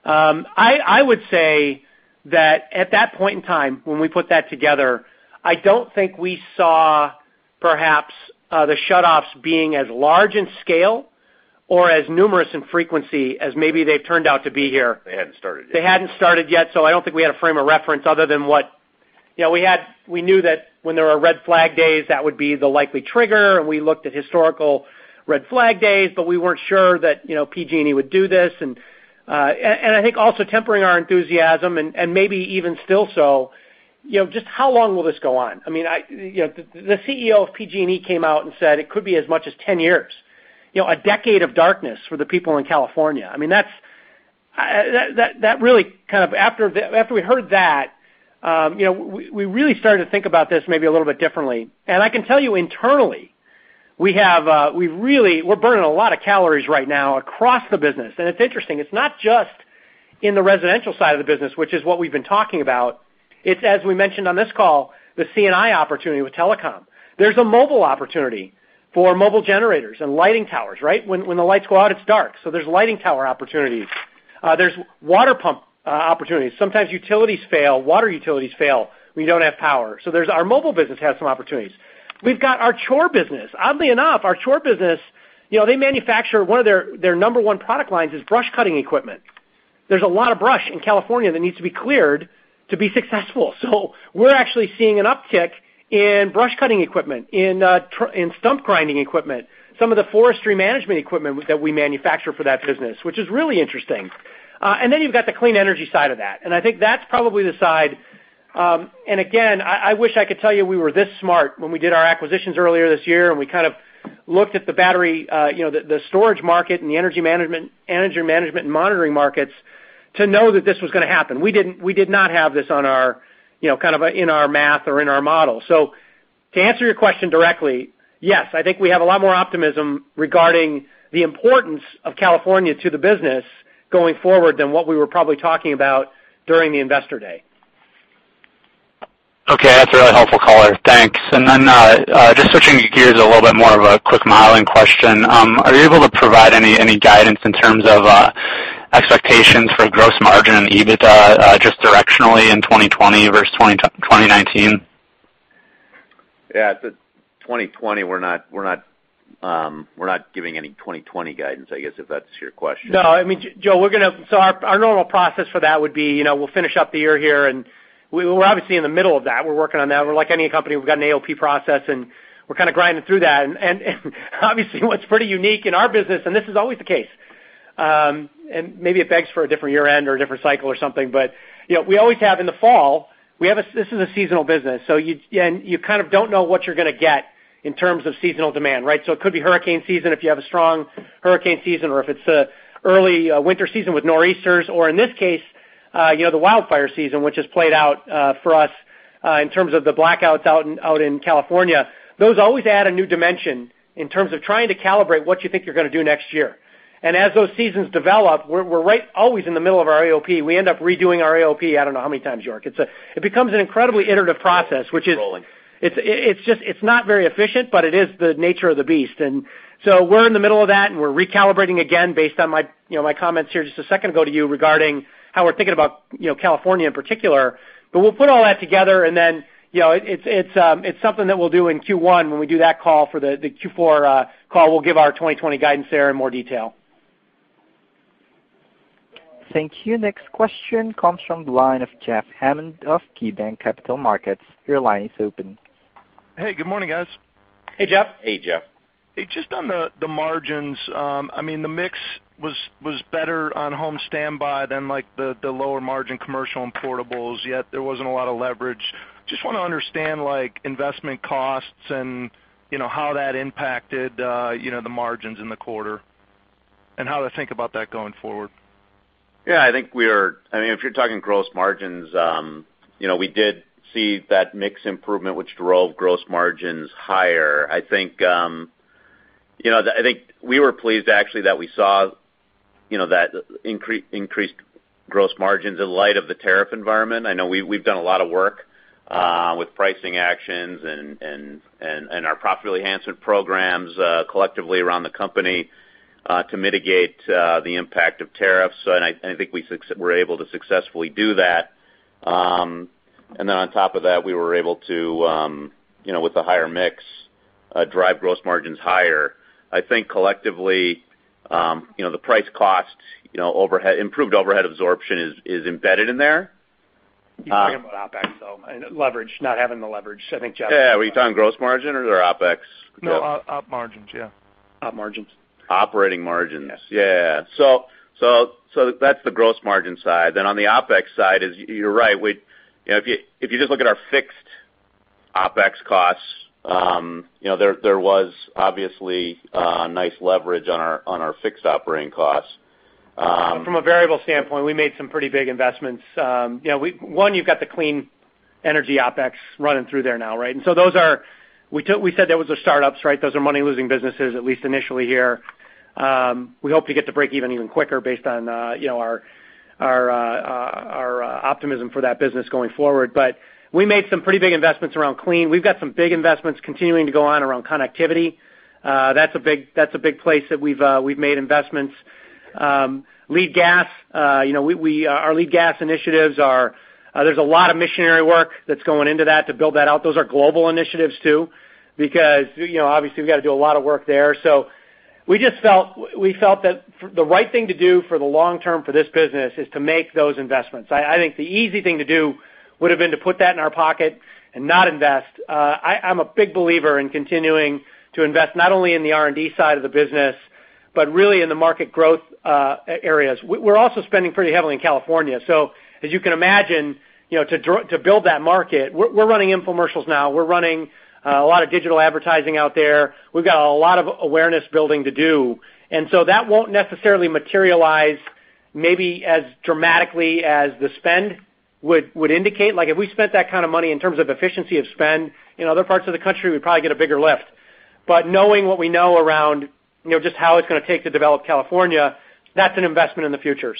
I would say that at that point in time, when we put that together, I don't think we saw perhaps the shutoffs being as large in scale or as numerous in frequency as maybe they've turned out to be here. They hadn't started yet. They hadn't started yet. I don't think we had a frame of reference other than what. We knew that when there were red flag days, that would be the likely trigger, and we looked at historical red flag days. We weren't sure that PG&E would do this. I think also tempering our enthusiasm and maybe even still so, how long will this go on? The CEO of PG&E came out and said it could be as much as 10 years. A decade of darkness for the people in California. After we heard that, we really started to think about this maybe a little bit differently. I can tell you internally, we're burning a lot of calories right now across the business. It's interesting, it's not just in the residential side of the business, which is what we've been talking about. It's, as we mentioned on this call, the C&I opportunity with telecom. There's a mobile opportunity for mobile generators and lighting towers, right? When the lights go out, it's dark. There's lighting tower opportunities. There's water pump opportunities. Sometimes utilities fail, water utilities fail when you don't have power. Our mobile business has some opportunities. We've got our chore business. Oddly enough, our chore business, their number one product line is brush cutting equipment. There's a lot of brush in California that needs to be cleared to be successful. We're actually seeing an uptick in brush cutting equipment, in stump grinding equipment, some of the forestry management equipment that we manufacture for that business, which is really interesting. You've got the clean energy side of that. I think that's probably the side. Again, I wish I could tell you we were this smart when we did our acquisitions earlier this year, and we kind of looked at the storage market and the energy management and monitoring markets to know that this was going to happen. We did not have this in our math or in our model. To answer your question directly, yes, I think we have a lot more optimism regarding the importance of California to the business going forward than what we were probably talking about during the Investor Day. Okay, that's a really helpful color. Thanks. Just switching gears, a little bit more of a quick modeling question. Are you able to provide any guidance in terms of expectations for gross margin and EBITDA just directionally in 2020 versus 2019? Yeah. We're not giving any 2020 guidance, I guess, if that's your question. No. Joe, our normal process for that would be, we'll finish up the year here, we're obviously in the middle of that. We're working on that. We're like any company. We've got an AOP process, we're kind of grinding through that. Obviously, what's pretty unique in our business, and this is always the case, and maybe it begs for a different year-end or a different cycle or something, we always have in the fall, this is a seasonal business. You kind of don't know what you're going to get in terms of seasonal demand, right? It could be hurricane season, if you have a strong hurricane season, or if it's a early winter season with nor'easters, or in this case, the wildfire season, which has played out for us in terms of the blackouts out in California. Those always add a new dimension in terms of trying to calibrate what you think you're going to do next year. As those seasons develop, we're right always in the middle of our AOP. We end up redoing our AOP I don't know how many times, York. It becomes an incredibly iterative process. Rolling. It's not very efficient, but it is the nature of the beast. We're in the middle of that, and we're recalibrating again based on my comments here just a second ago to you regarding how we're thinking about California in particular. We'll put all that together and then, it's something that we'll do in Q1 when we do that call for the Q4 call. We'll give our 2020 guidance there in more detail. Thank you. Next question comes from the line of Jeff Hammond of KeyBanc Capital Markets. Your line is open. Hey, good morning, guys. Hey, Jeff. Hey, Jeff. Hey, just on the margins, the mix was better on home standby than the lower margin commercial and portables, yet there wasn't a lot of leverage. Just want to understand, like, investment costs and how that impacted the margins in the quarter and how to think about that going forward. Yeah, if you're talking gross margins, we did see that mix improvement, which drove gross margins higher. I think we were pleased, actually, that we saw that increased gross margins in light of the tariff environment. I know we've done a lot of work with pricing actions and our profit enhancement programs collectively around the company to mitigate the impact of tariffs. I think we were able to successfully do that. On top of that, we were able to, with a higher mix, drive gross margins higher. I think collectively the price cost, improved overhead absorption is embedded in there. You're talking about OpEx, though, and leverage, not having the leverage, I think, Jeff. Yeah. Were you talking gross margin or their OpEx? No, op margins, yeah. Op margins. Operating margins. Yes. Yeah. That's the gross margin side. On the OpEx side is, you're right. If you just look at our fixed OpEx costs, there was obviously a nice leverage on our fixed operating costs. From a variable standpoint, we made some pretty big investments. One, you've got the clean energy OpEx running through there now, right? We said those are startups, right? Those are money-losing businesses, at least initially here. We hope to get to breakeven even quicker based on our optimism for that business going forward. We made some pretty big investments around clean. We've got some big investments continuing to go on around connectivity. That's a big place that we've made investments. Our natural gas initiatives, there's a lot of missionary work that's going into that to build that out. Those are global initiatives, too, because obviously we've got to do a lot of work there. We felt that the right thing to do for the long term for this business is to make those investments. I think the easy thing to do would've been to put that in our pocket and not invest. I'm a big believer in continuing to invest, not only in the R&D side of the business, but really in the market growth areas. We're also spending pretty heavily in California. As you can imagine, to build that market, we're running infomercials now. We're running a lot of digital advertising out there. We've got a lot of awareness building to do, that won't necessarily materialize maybe as dramatically as the spend would indicate. If we spent that kind of money in terms of efficiency of spend in other parts of the country, we'd probably get a bigger lift. Knowing what we know around just how it's going to take to develop California, that's an investment in the future.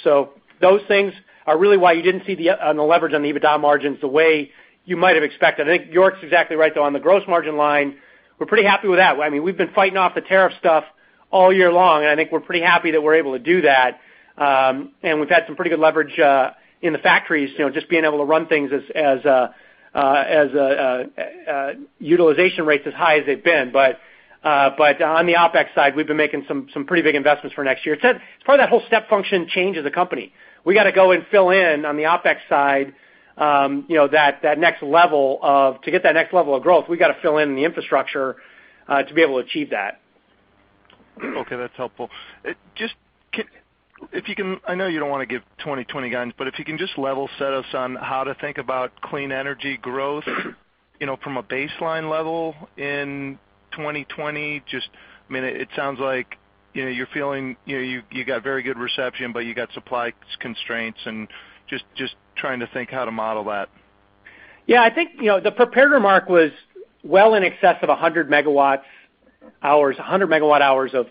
Those things are really why you didn't see the leverage on the EBITDA margins the way you might have expected. I think York's exactly right, though. On the gross margin line, we're pretty happy with that. We've been fighting off the tariff stuff all year long, I think we're pretty happy that we're able to do that. We've had some pretty good leverage in the factories, just being able to run things as utilization rates as high as they've been. On the OpEx side, we've been making some pretty big investments for next year. It's part of that whole step function change of the company. We got to go and fill in on the OpEx side to get that next level of growth. We got to fill in the infrastructure to be able to achieve that. Okay, that's helpful. I know you don't want to give 2020 guidance, if you can just level set us on how to think about clean energy growth from a baseline level in 2020. It sounds like you're feeling you got very good reception, you got supply constraints and just trying to think how to model that. I think the prepared remark was well in excess of 100 MWh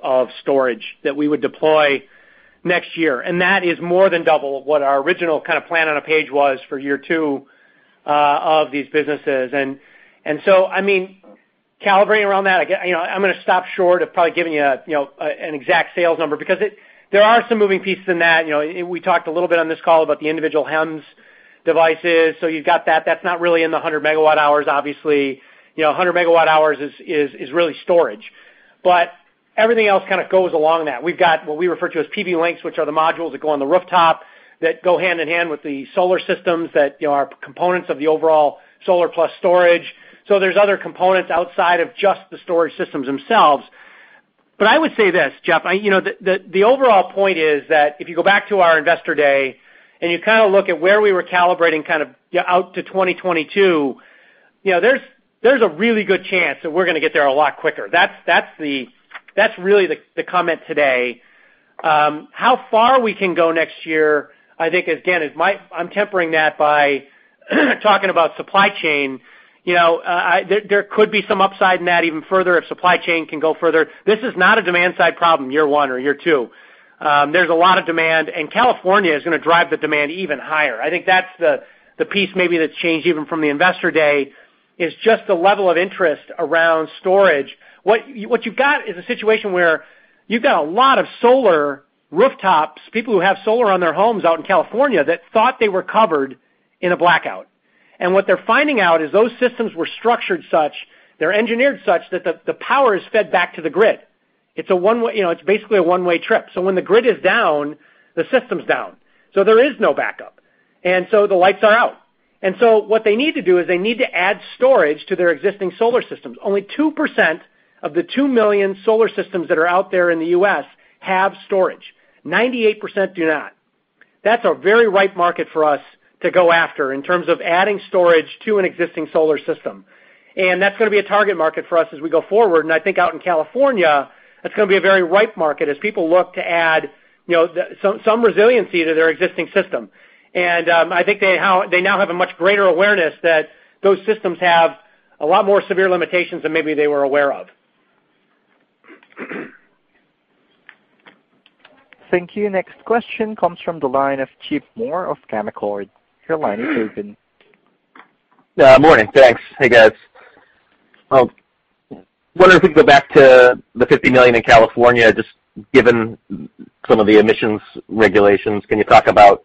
of storage that we would deploy next year. That is more than double what our original plan on a page was for year two of these businesses. Calibrating around that, I'm going to stop short of probably giving you an exact sales number because there are some moving pieces in that. We talked a little bit on this call about the individual HEMS devices. You've got that. That's not really in the 100 MWh, obviously. 100 MWh is really storage. Everything else kind of goes along that. We've got what we refer to as PV Link, which are the modules that go on the rooftop, that go hand in hand with the solar systems that are components of the overall solar plus storage. There's other components outside of just the storage systems themselves. I would say this, Jeff, the overall point is that if you go back to our Investor Day and you look at where we were calibrating out to 2022, there's a really good chance that we're going to get there a lot quicker. That's really the comment today. How far we can go next year, I think, again, I'm tempering that by talking about supply chain. There could be some upside in that even further if supply chain can go further. This is not a demand side problem year one or year two. There's a lot of demand, California is going to drive the demand even higher. I think that's the piece maybe that's changed even from the Investor Day, is just the level of interest around storage. What you've got is a situation where you've got a lot of solar rooftops, people who have solar on their homes out in California that thought they were covered in a blackout. What they're finding out is those systems were structured such, they're engineered such that the power is fed back to the grid. It's basically a one-way trip. When the grid is down, the system's down. There is no backup. The lights are out. What they need to do is they need to add storage to their existing solar systems. Only 2% of the 2 million solar systems that are out there in the U.S. have storage. 98% do not. That's a very ripe market for us to go after in terms of adding storage to an existing solar system. That's going to be a target market for us as we go forward. I think out in California, that's going to be a very ripe market as people look to add some resiliency to their existing system. I think they now have a much greater awareness that those systems have a lot more severe limitations than maybe they were aware of. Thank you. Next question comes from the line of Chip Moore of Canaccord. Your line is open. Morning, thanks. Hey, guys. Wondering if we can go back to the $50 million in California, just given some of the emissions regulations. Can you talk about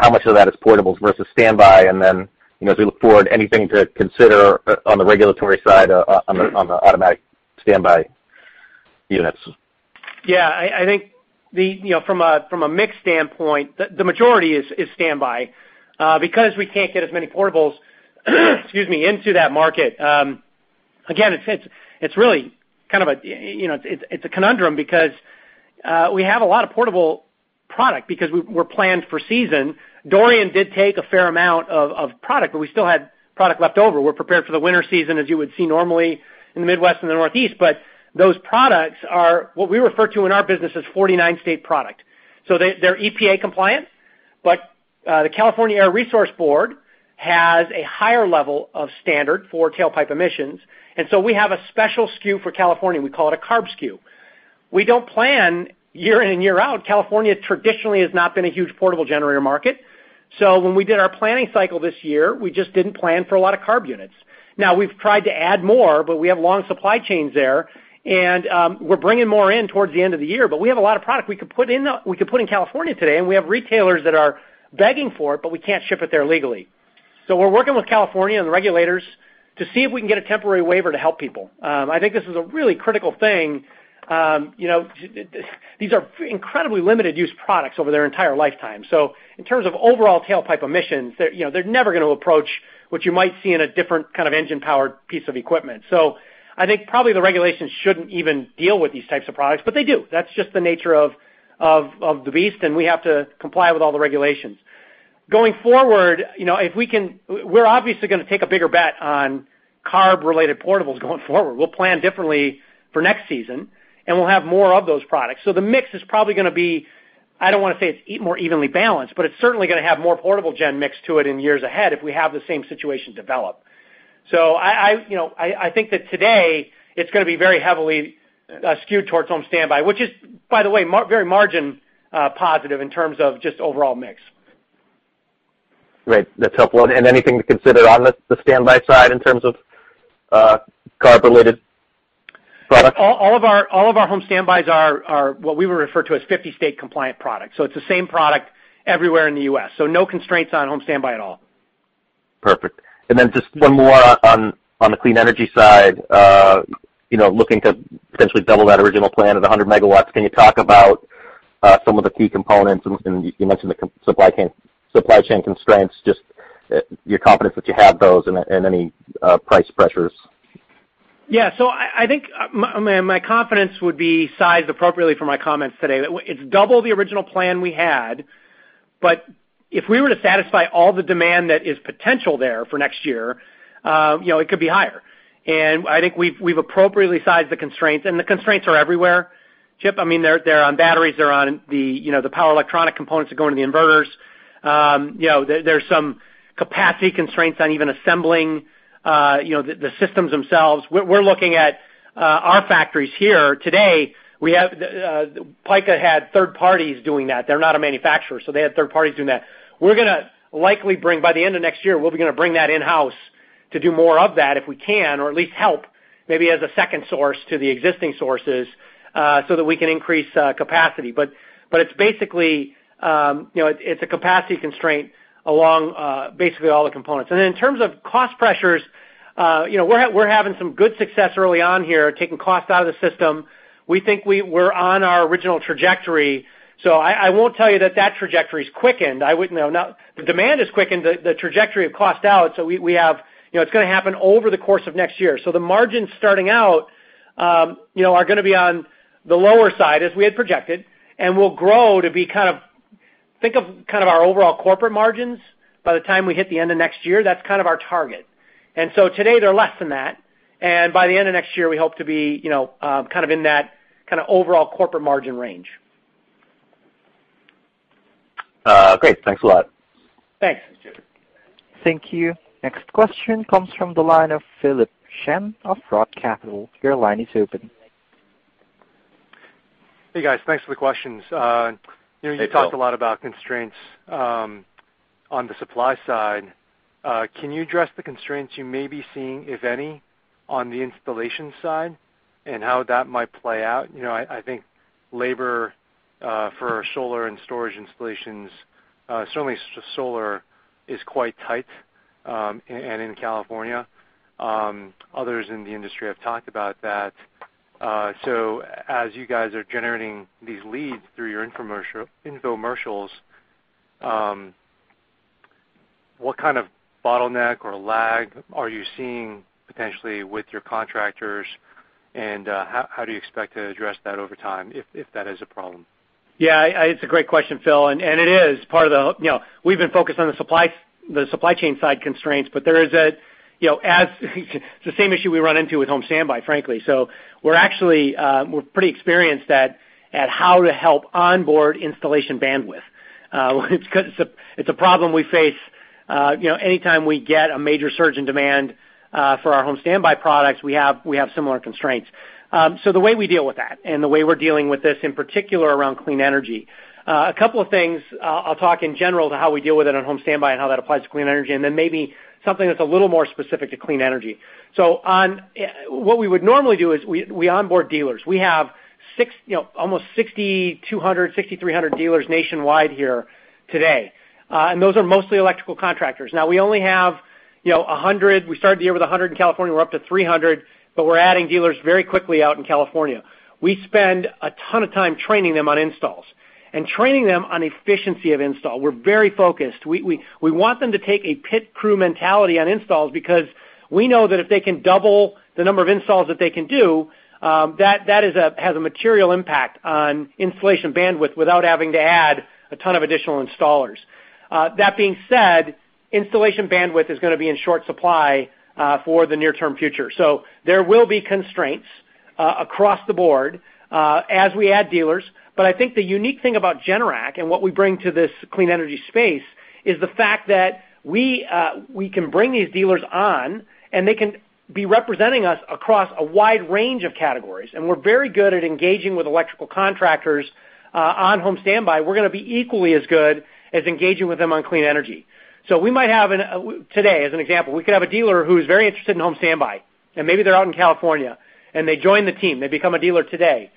how much of that is portables versus standby? As we look forward, anything to consider on the regulatory side on the automatic standby units? Yeah, I think from a mix standpoint, the majority is standby. We can't get as many portables excuse me, into that market. It's a conundrum because we have a lot of portable product because we're planned for season. Dorian did take a fair amount of product, but we still had product left over. We're prepared for the winter season, as you would see normally in the Midwest and the Northeast. Those products are what we refer to in our business as 49-state product. They're EPA compliant, but the California Air Resources Board has a higher level of standard for tailpipe emissions. We have a special SKU for California. We call it a CARB SKU. We don't plan year in and year out. California traditionally has not been a huge portable generator market. When we did our planning cycle this year, we just didn't plan for a lot of CARB units. Now, we've tried to add more, but we have long supply chains there. We're bringing more in towards the end of the year, but we have a lot of product we could put in California today, and we have retailers that are begging for it, but we can't ship it there legally. We're working with California and the regulators to see if we can get a temporary waiver to help people. I think this is a really critical thing. These are incredibly limited use products over their entire lifetime. In terms of overall tailpipe emissions, they're never going to approach what you might see in a different kind of engine-powered piece of equipment. I think probably the regulations shouldn't even deal with these types of products, but they do. That's just the nature of the beast, and we have to comply with all the regulations. Going forward, we're obviously going to take a bigger bet on CARB-related portables going forward. We'll plan differently for next season, and we'll have more of those products. The mix is probably going to be, I don't want to say it's more evenly balanced, but it's certainly going to have more portable gen mix to it in years ahead if we have the same situation develop. I think that today it's going to be very heavily skewed towards home standby, which is, by the way, very margin positive in terms of just overall mix. Great. That's helpful. Anything to consider on the standby side in terms of CARB-related products? All of our home standbys are what we would refer to as 50-state compliant products. It's the same product everywhere in the U.S. No constraints on home standby at all. Perfect. Just one more on the clean energy side. Looking to potentially double that original plan of 100 MW. Can you talk about some of the key components? You mentioned the supply chain constraints, just your confidence that you have those and any price pressures. Yeah. I think my confidence would be sized appropriately for my comments today. It's double the original plan we had. If we were to satisfy all the demand that is potential there for next year, it could be higher. I think we've appropriately sized the constraints, and the constraints are everywhere, Chip. They're on batteries, they're on the power electronic components that go into the inverters. There's some capacity constraints on even assembling the systems themselves. We're looking at our factories here today. Pika Energy had third parties doing that. They're not a manufacturer, they had third parties doing that. By the end of next year, we're going to bring that in-house to do more of that if we can, or at least help maybe as a second source to the existing sources, we can increase capacity. It's a capacity constraint along basically all the components. In terms of cost pressures, we're having some good success early on here, taking cost out of the system. We think we're on our original trajectory. I won't tell you that trajectory's quickened. The demand has quickened, the trajectory of cost out. It's going to happen over the course of next year. The margins starting out are going to be on the lower side as we had projected, and will grow to be kind of think of our overall corporate margins by the time we hit the end of next year. That's kind of our target. Today they're less than that. By the end of next year, we hope to be in that overall corporate margin range. Great. Thanks a lot. Thanks. Thank you. Next question comes from the line of Philip Shen of Roth Capital. Your line is open. Hey, guys. Thanks for the questions. Hey, Phil. You talked a lot about constraints on the supply side. Can you address the constraints you may be seeing, if any, on the installation side, and how that might play out? I think labor for solar and storage installations, certainly solar, is quite tight and in California. Others in the industry have talked about that. As you guys are generating these leads through your infomercials, what kind of bottleneck or lag are you seeing potentially with your contractors, and how do you expect to address that over time if that is a problem? it's a great question, Phil, and it is part of the We've been focused on the supply chain side constraints, but there is a, it's the same issue we run into with home standby, frankly. We're pretty experienced at how to help onboard installation bandwidth. Because it's a problem we face anytime we get a major surge in demand for our home standby products, we have similar constraints. The way we deal with that, and the way we're dealing with this, in particular, around clean energy. A couple of things, I'll talk in general to how we deal with it on home standby and how that applies to clean energy, and then maybe something that's a little more specific to clean energy. What we would normally do is we onboard dealers. We have almost 6,200, 6,300 dealers nationwide here today. Those are mostly electrical contractors. We only have 100. We started the year with 100 in California, we're up to 300, we're adding dealers very quickly out in California. We spend a ton of time training them on installs. Training them on efficiency of install. We're very focused. We want them to take a pit crew mentality on installs because we know that if they can double the number of installs that they can do, that has a material impact on installation bandwidth without having to add a ton of additional installers. That being said, installation bandwidth is gonna be in short supply for the near-term future. There will be constraints, across the board, as we add dealers. I think the unique thing about Generac and what we bring to this clean energy space is the fact that we can bring these dealers on, they can be representing us across a wide range of categories. We're very good at engaging with electrical contractors on home standby. We're gonna be equally as good as engaging with them on clean energy. We might have, today, as an example, we could have a dealer who's very interested in home standby, maybe they're out in California, they join the team. They become a dealer today.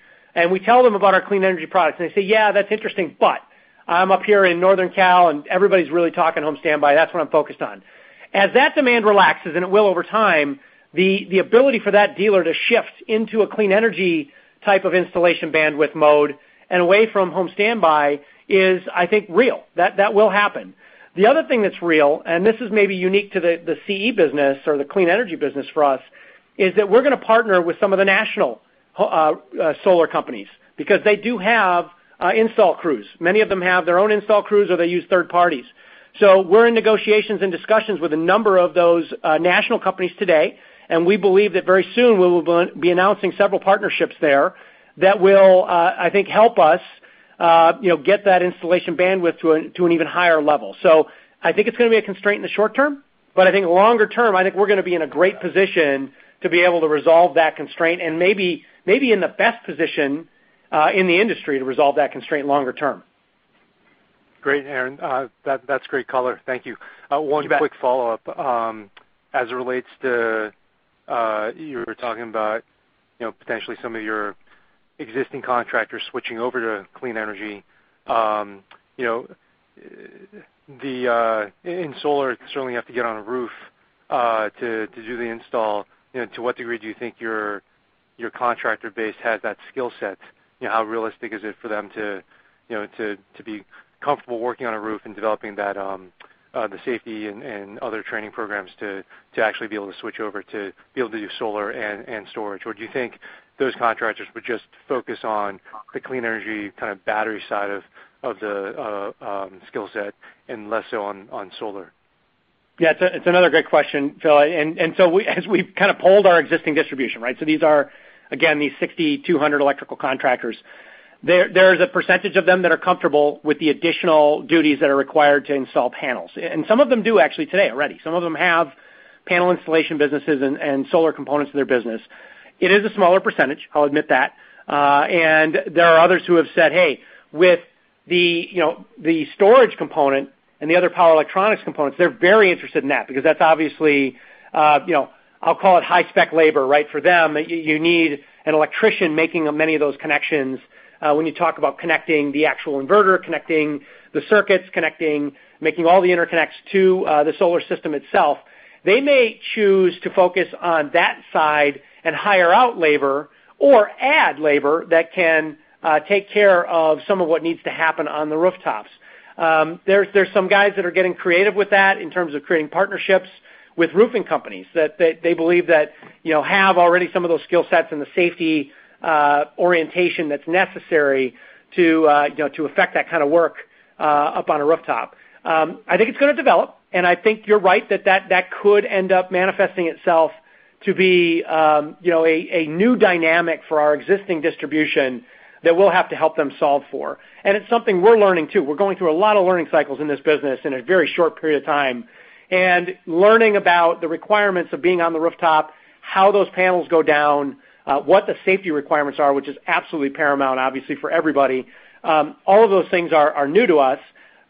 We tell them about our clean energy products, they say, "Yeah, that's interesting, but I'm up here in Northern Cal and everybody's really talking home standby. That's what I'm focused on. As that demand relaxes, and it will over time, the ability for that dealer to shift into a clean energy type of installation bandwidth mode and away from home standby is, I think, real. That will happen. The other thing that's real, and this is maybe unique to the CE business or the clean energy business for us, is that we're gonna partner with some of the national solar companies because they do have install crews. Many of them have their own install crews, or they use third parties. We're in negotiations and discussions with a number of those national companies today, we believe that very soon we will be announcing several partnerships there that will, I think, help us get that installation bandwidth to an even higher level. I think it's gonna be a constraint in the short-term, I think longer term, I think we're gonna be in a great position to be able to resolve that constraint and maybe in the best position in the industry to resolve that constraint longer term. Great, Aaron. That's great color. Thank you. You bet. One quick follow-up. As it relates to, you were talking about potentially some of your existing contractors switching over to clean energy. In solar, you certainly have to get on a roof to do the install. To what degree do you think your contractor base has that skill set? How realistic is it for them to be comfortable working on a roof and developing the safety and other training programs to actually be able to switch over to be able to do solar and storage? Do you think those contractors would just focus on the clean energy battery side of the skill set and less so on solar? Yeah. It's another great question, Phil. As we've kind of pulled our existing distribution, right? These are, again, these 6,200 electrical contractors. There is a percentage of them that are comfortable with the additional duties that are required to install panels. Some of them do actually today already. Some of them have panel installation businesses and solar components in their business. It is a smaller percentage, I'll admit that. There are others who have said, hey, with the storage component and the other power electronics components, they're very interested in that because that's obviously, I'll call it high-spec labor, right, for them. You need an electrician making many of those connections. When you talk about connecting the actual inverter, connecting the circuits, making all the interconnects to the solar system itself. They may choose to focus on that side and hire out labor or add labor that can take care of some of what needs to happen on the rooftops. There's some guys that are getting creative with that in terms of creating partnerships with roofing companies that they believe that have already some of those skill sets and the safety orientation that's necessary to affect that kind of work up on a rooftop. I think it's gonna develop, and I think you're right that that could end up manifesting itself to be a new dynamic for our existing distribution that we'll have to help them solve for. It's something we're learning, too. We're going through a lot of learning cycles in this business in a very short period of time, and learning about the requirements of being on the rooftop, how those panels go down, what the safety requirements are, which is absolutely paramount, obviously, for everybody. All of those things are new to us,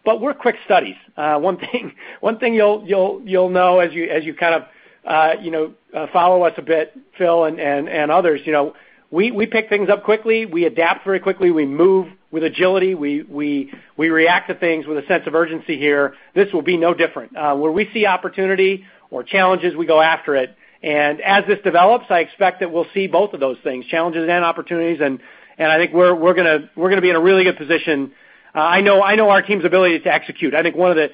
but we're quick studies. One thing you'll know as you follow us a bit, Phil and others, we pick things up quickly. We adapt very quickly. We move with agility. We react to things with a sense of urgency here. This will be no different. As this develops, I expect that we'll see both of those things, challenges and opportunities, and I think we're going to be in a really good position. I know our team's ability to execute. I think one of the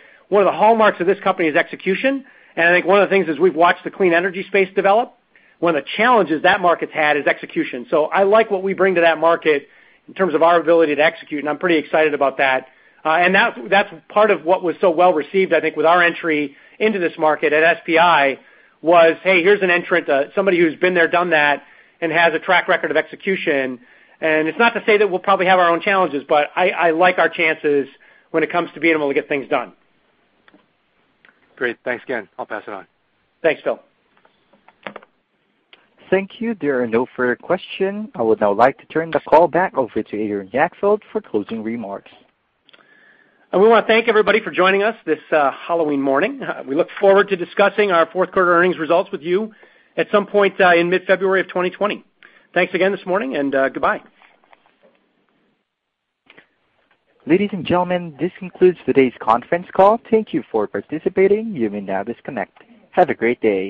hallmarks of this company is execution, and I think one of the things as we've watched the clean energy space develop, one of the challenges that market's had is execution. I like what we bring to that market in terms of our ability to execute, and I'm pretty excited about that. That's part of what was so well-received, I think, with our entry into this market at SPI was, hey, here's an entrant, somebody who's been there, done that, and has a track record of execution. It's not to say that we'll probably have our own challenges, but I like our chances when it comes to being able to get things done. Great. Thanks again. I'll pass it on. Thanks, Phil. Thank you. There are no further question. I would now like to turn the call back over to Aaron Jagdfeld for closing remarks. We want to thank everybody for joining us this Halloween morning. We look forward to discussing our fourth quarter earnings results with you at some point in mid-February of 2020. Thanks again this morning, and goodbye. Ladies and gentlemen, this concludes today's conference call. Thank you for participating. You may now disconnect. Have a great day.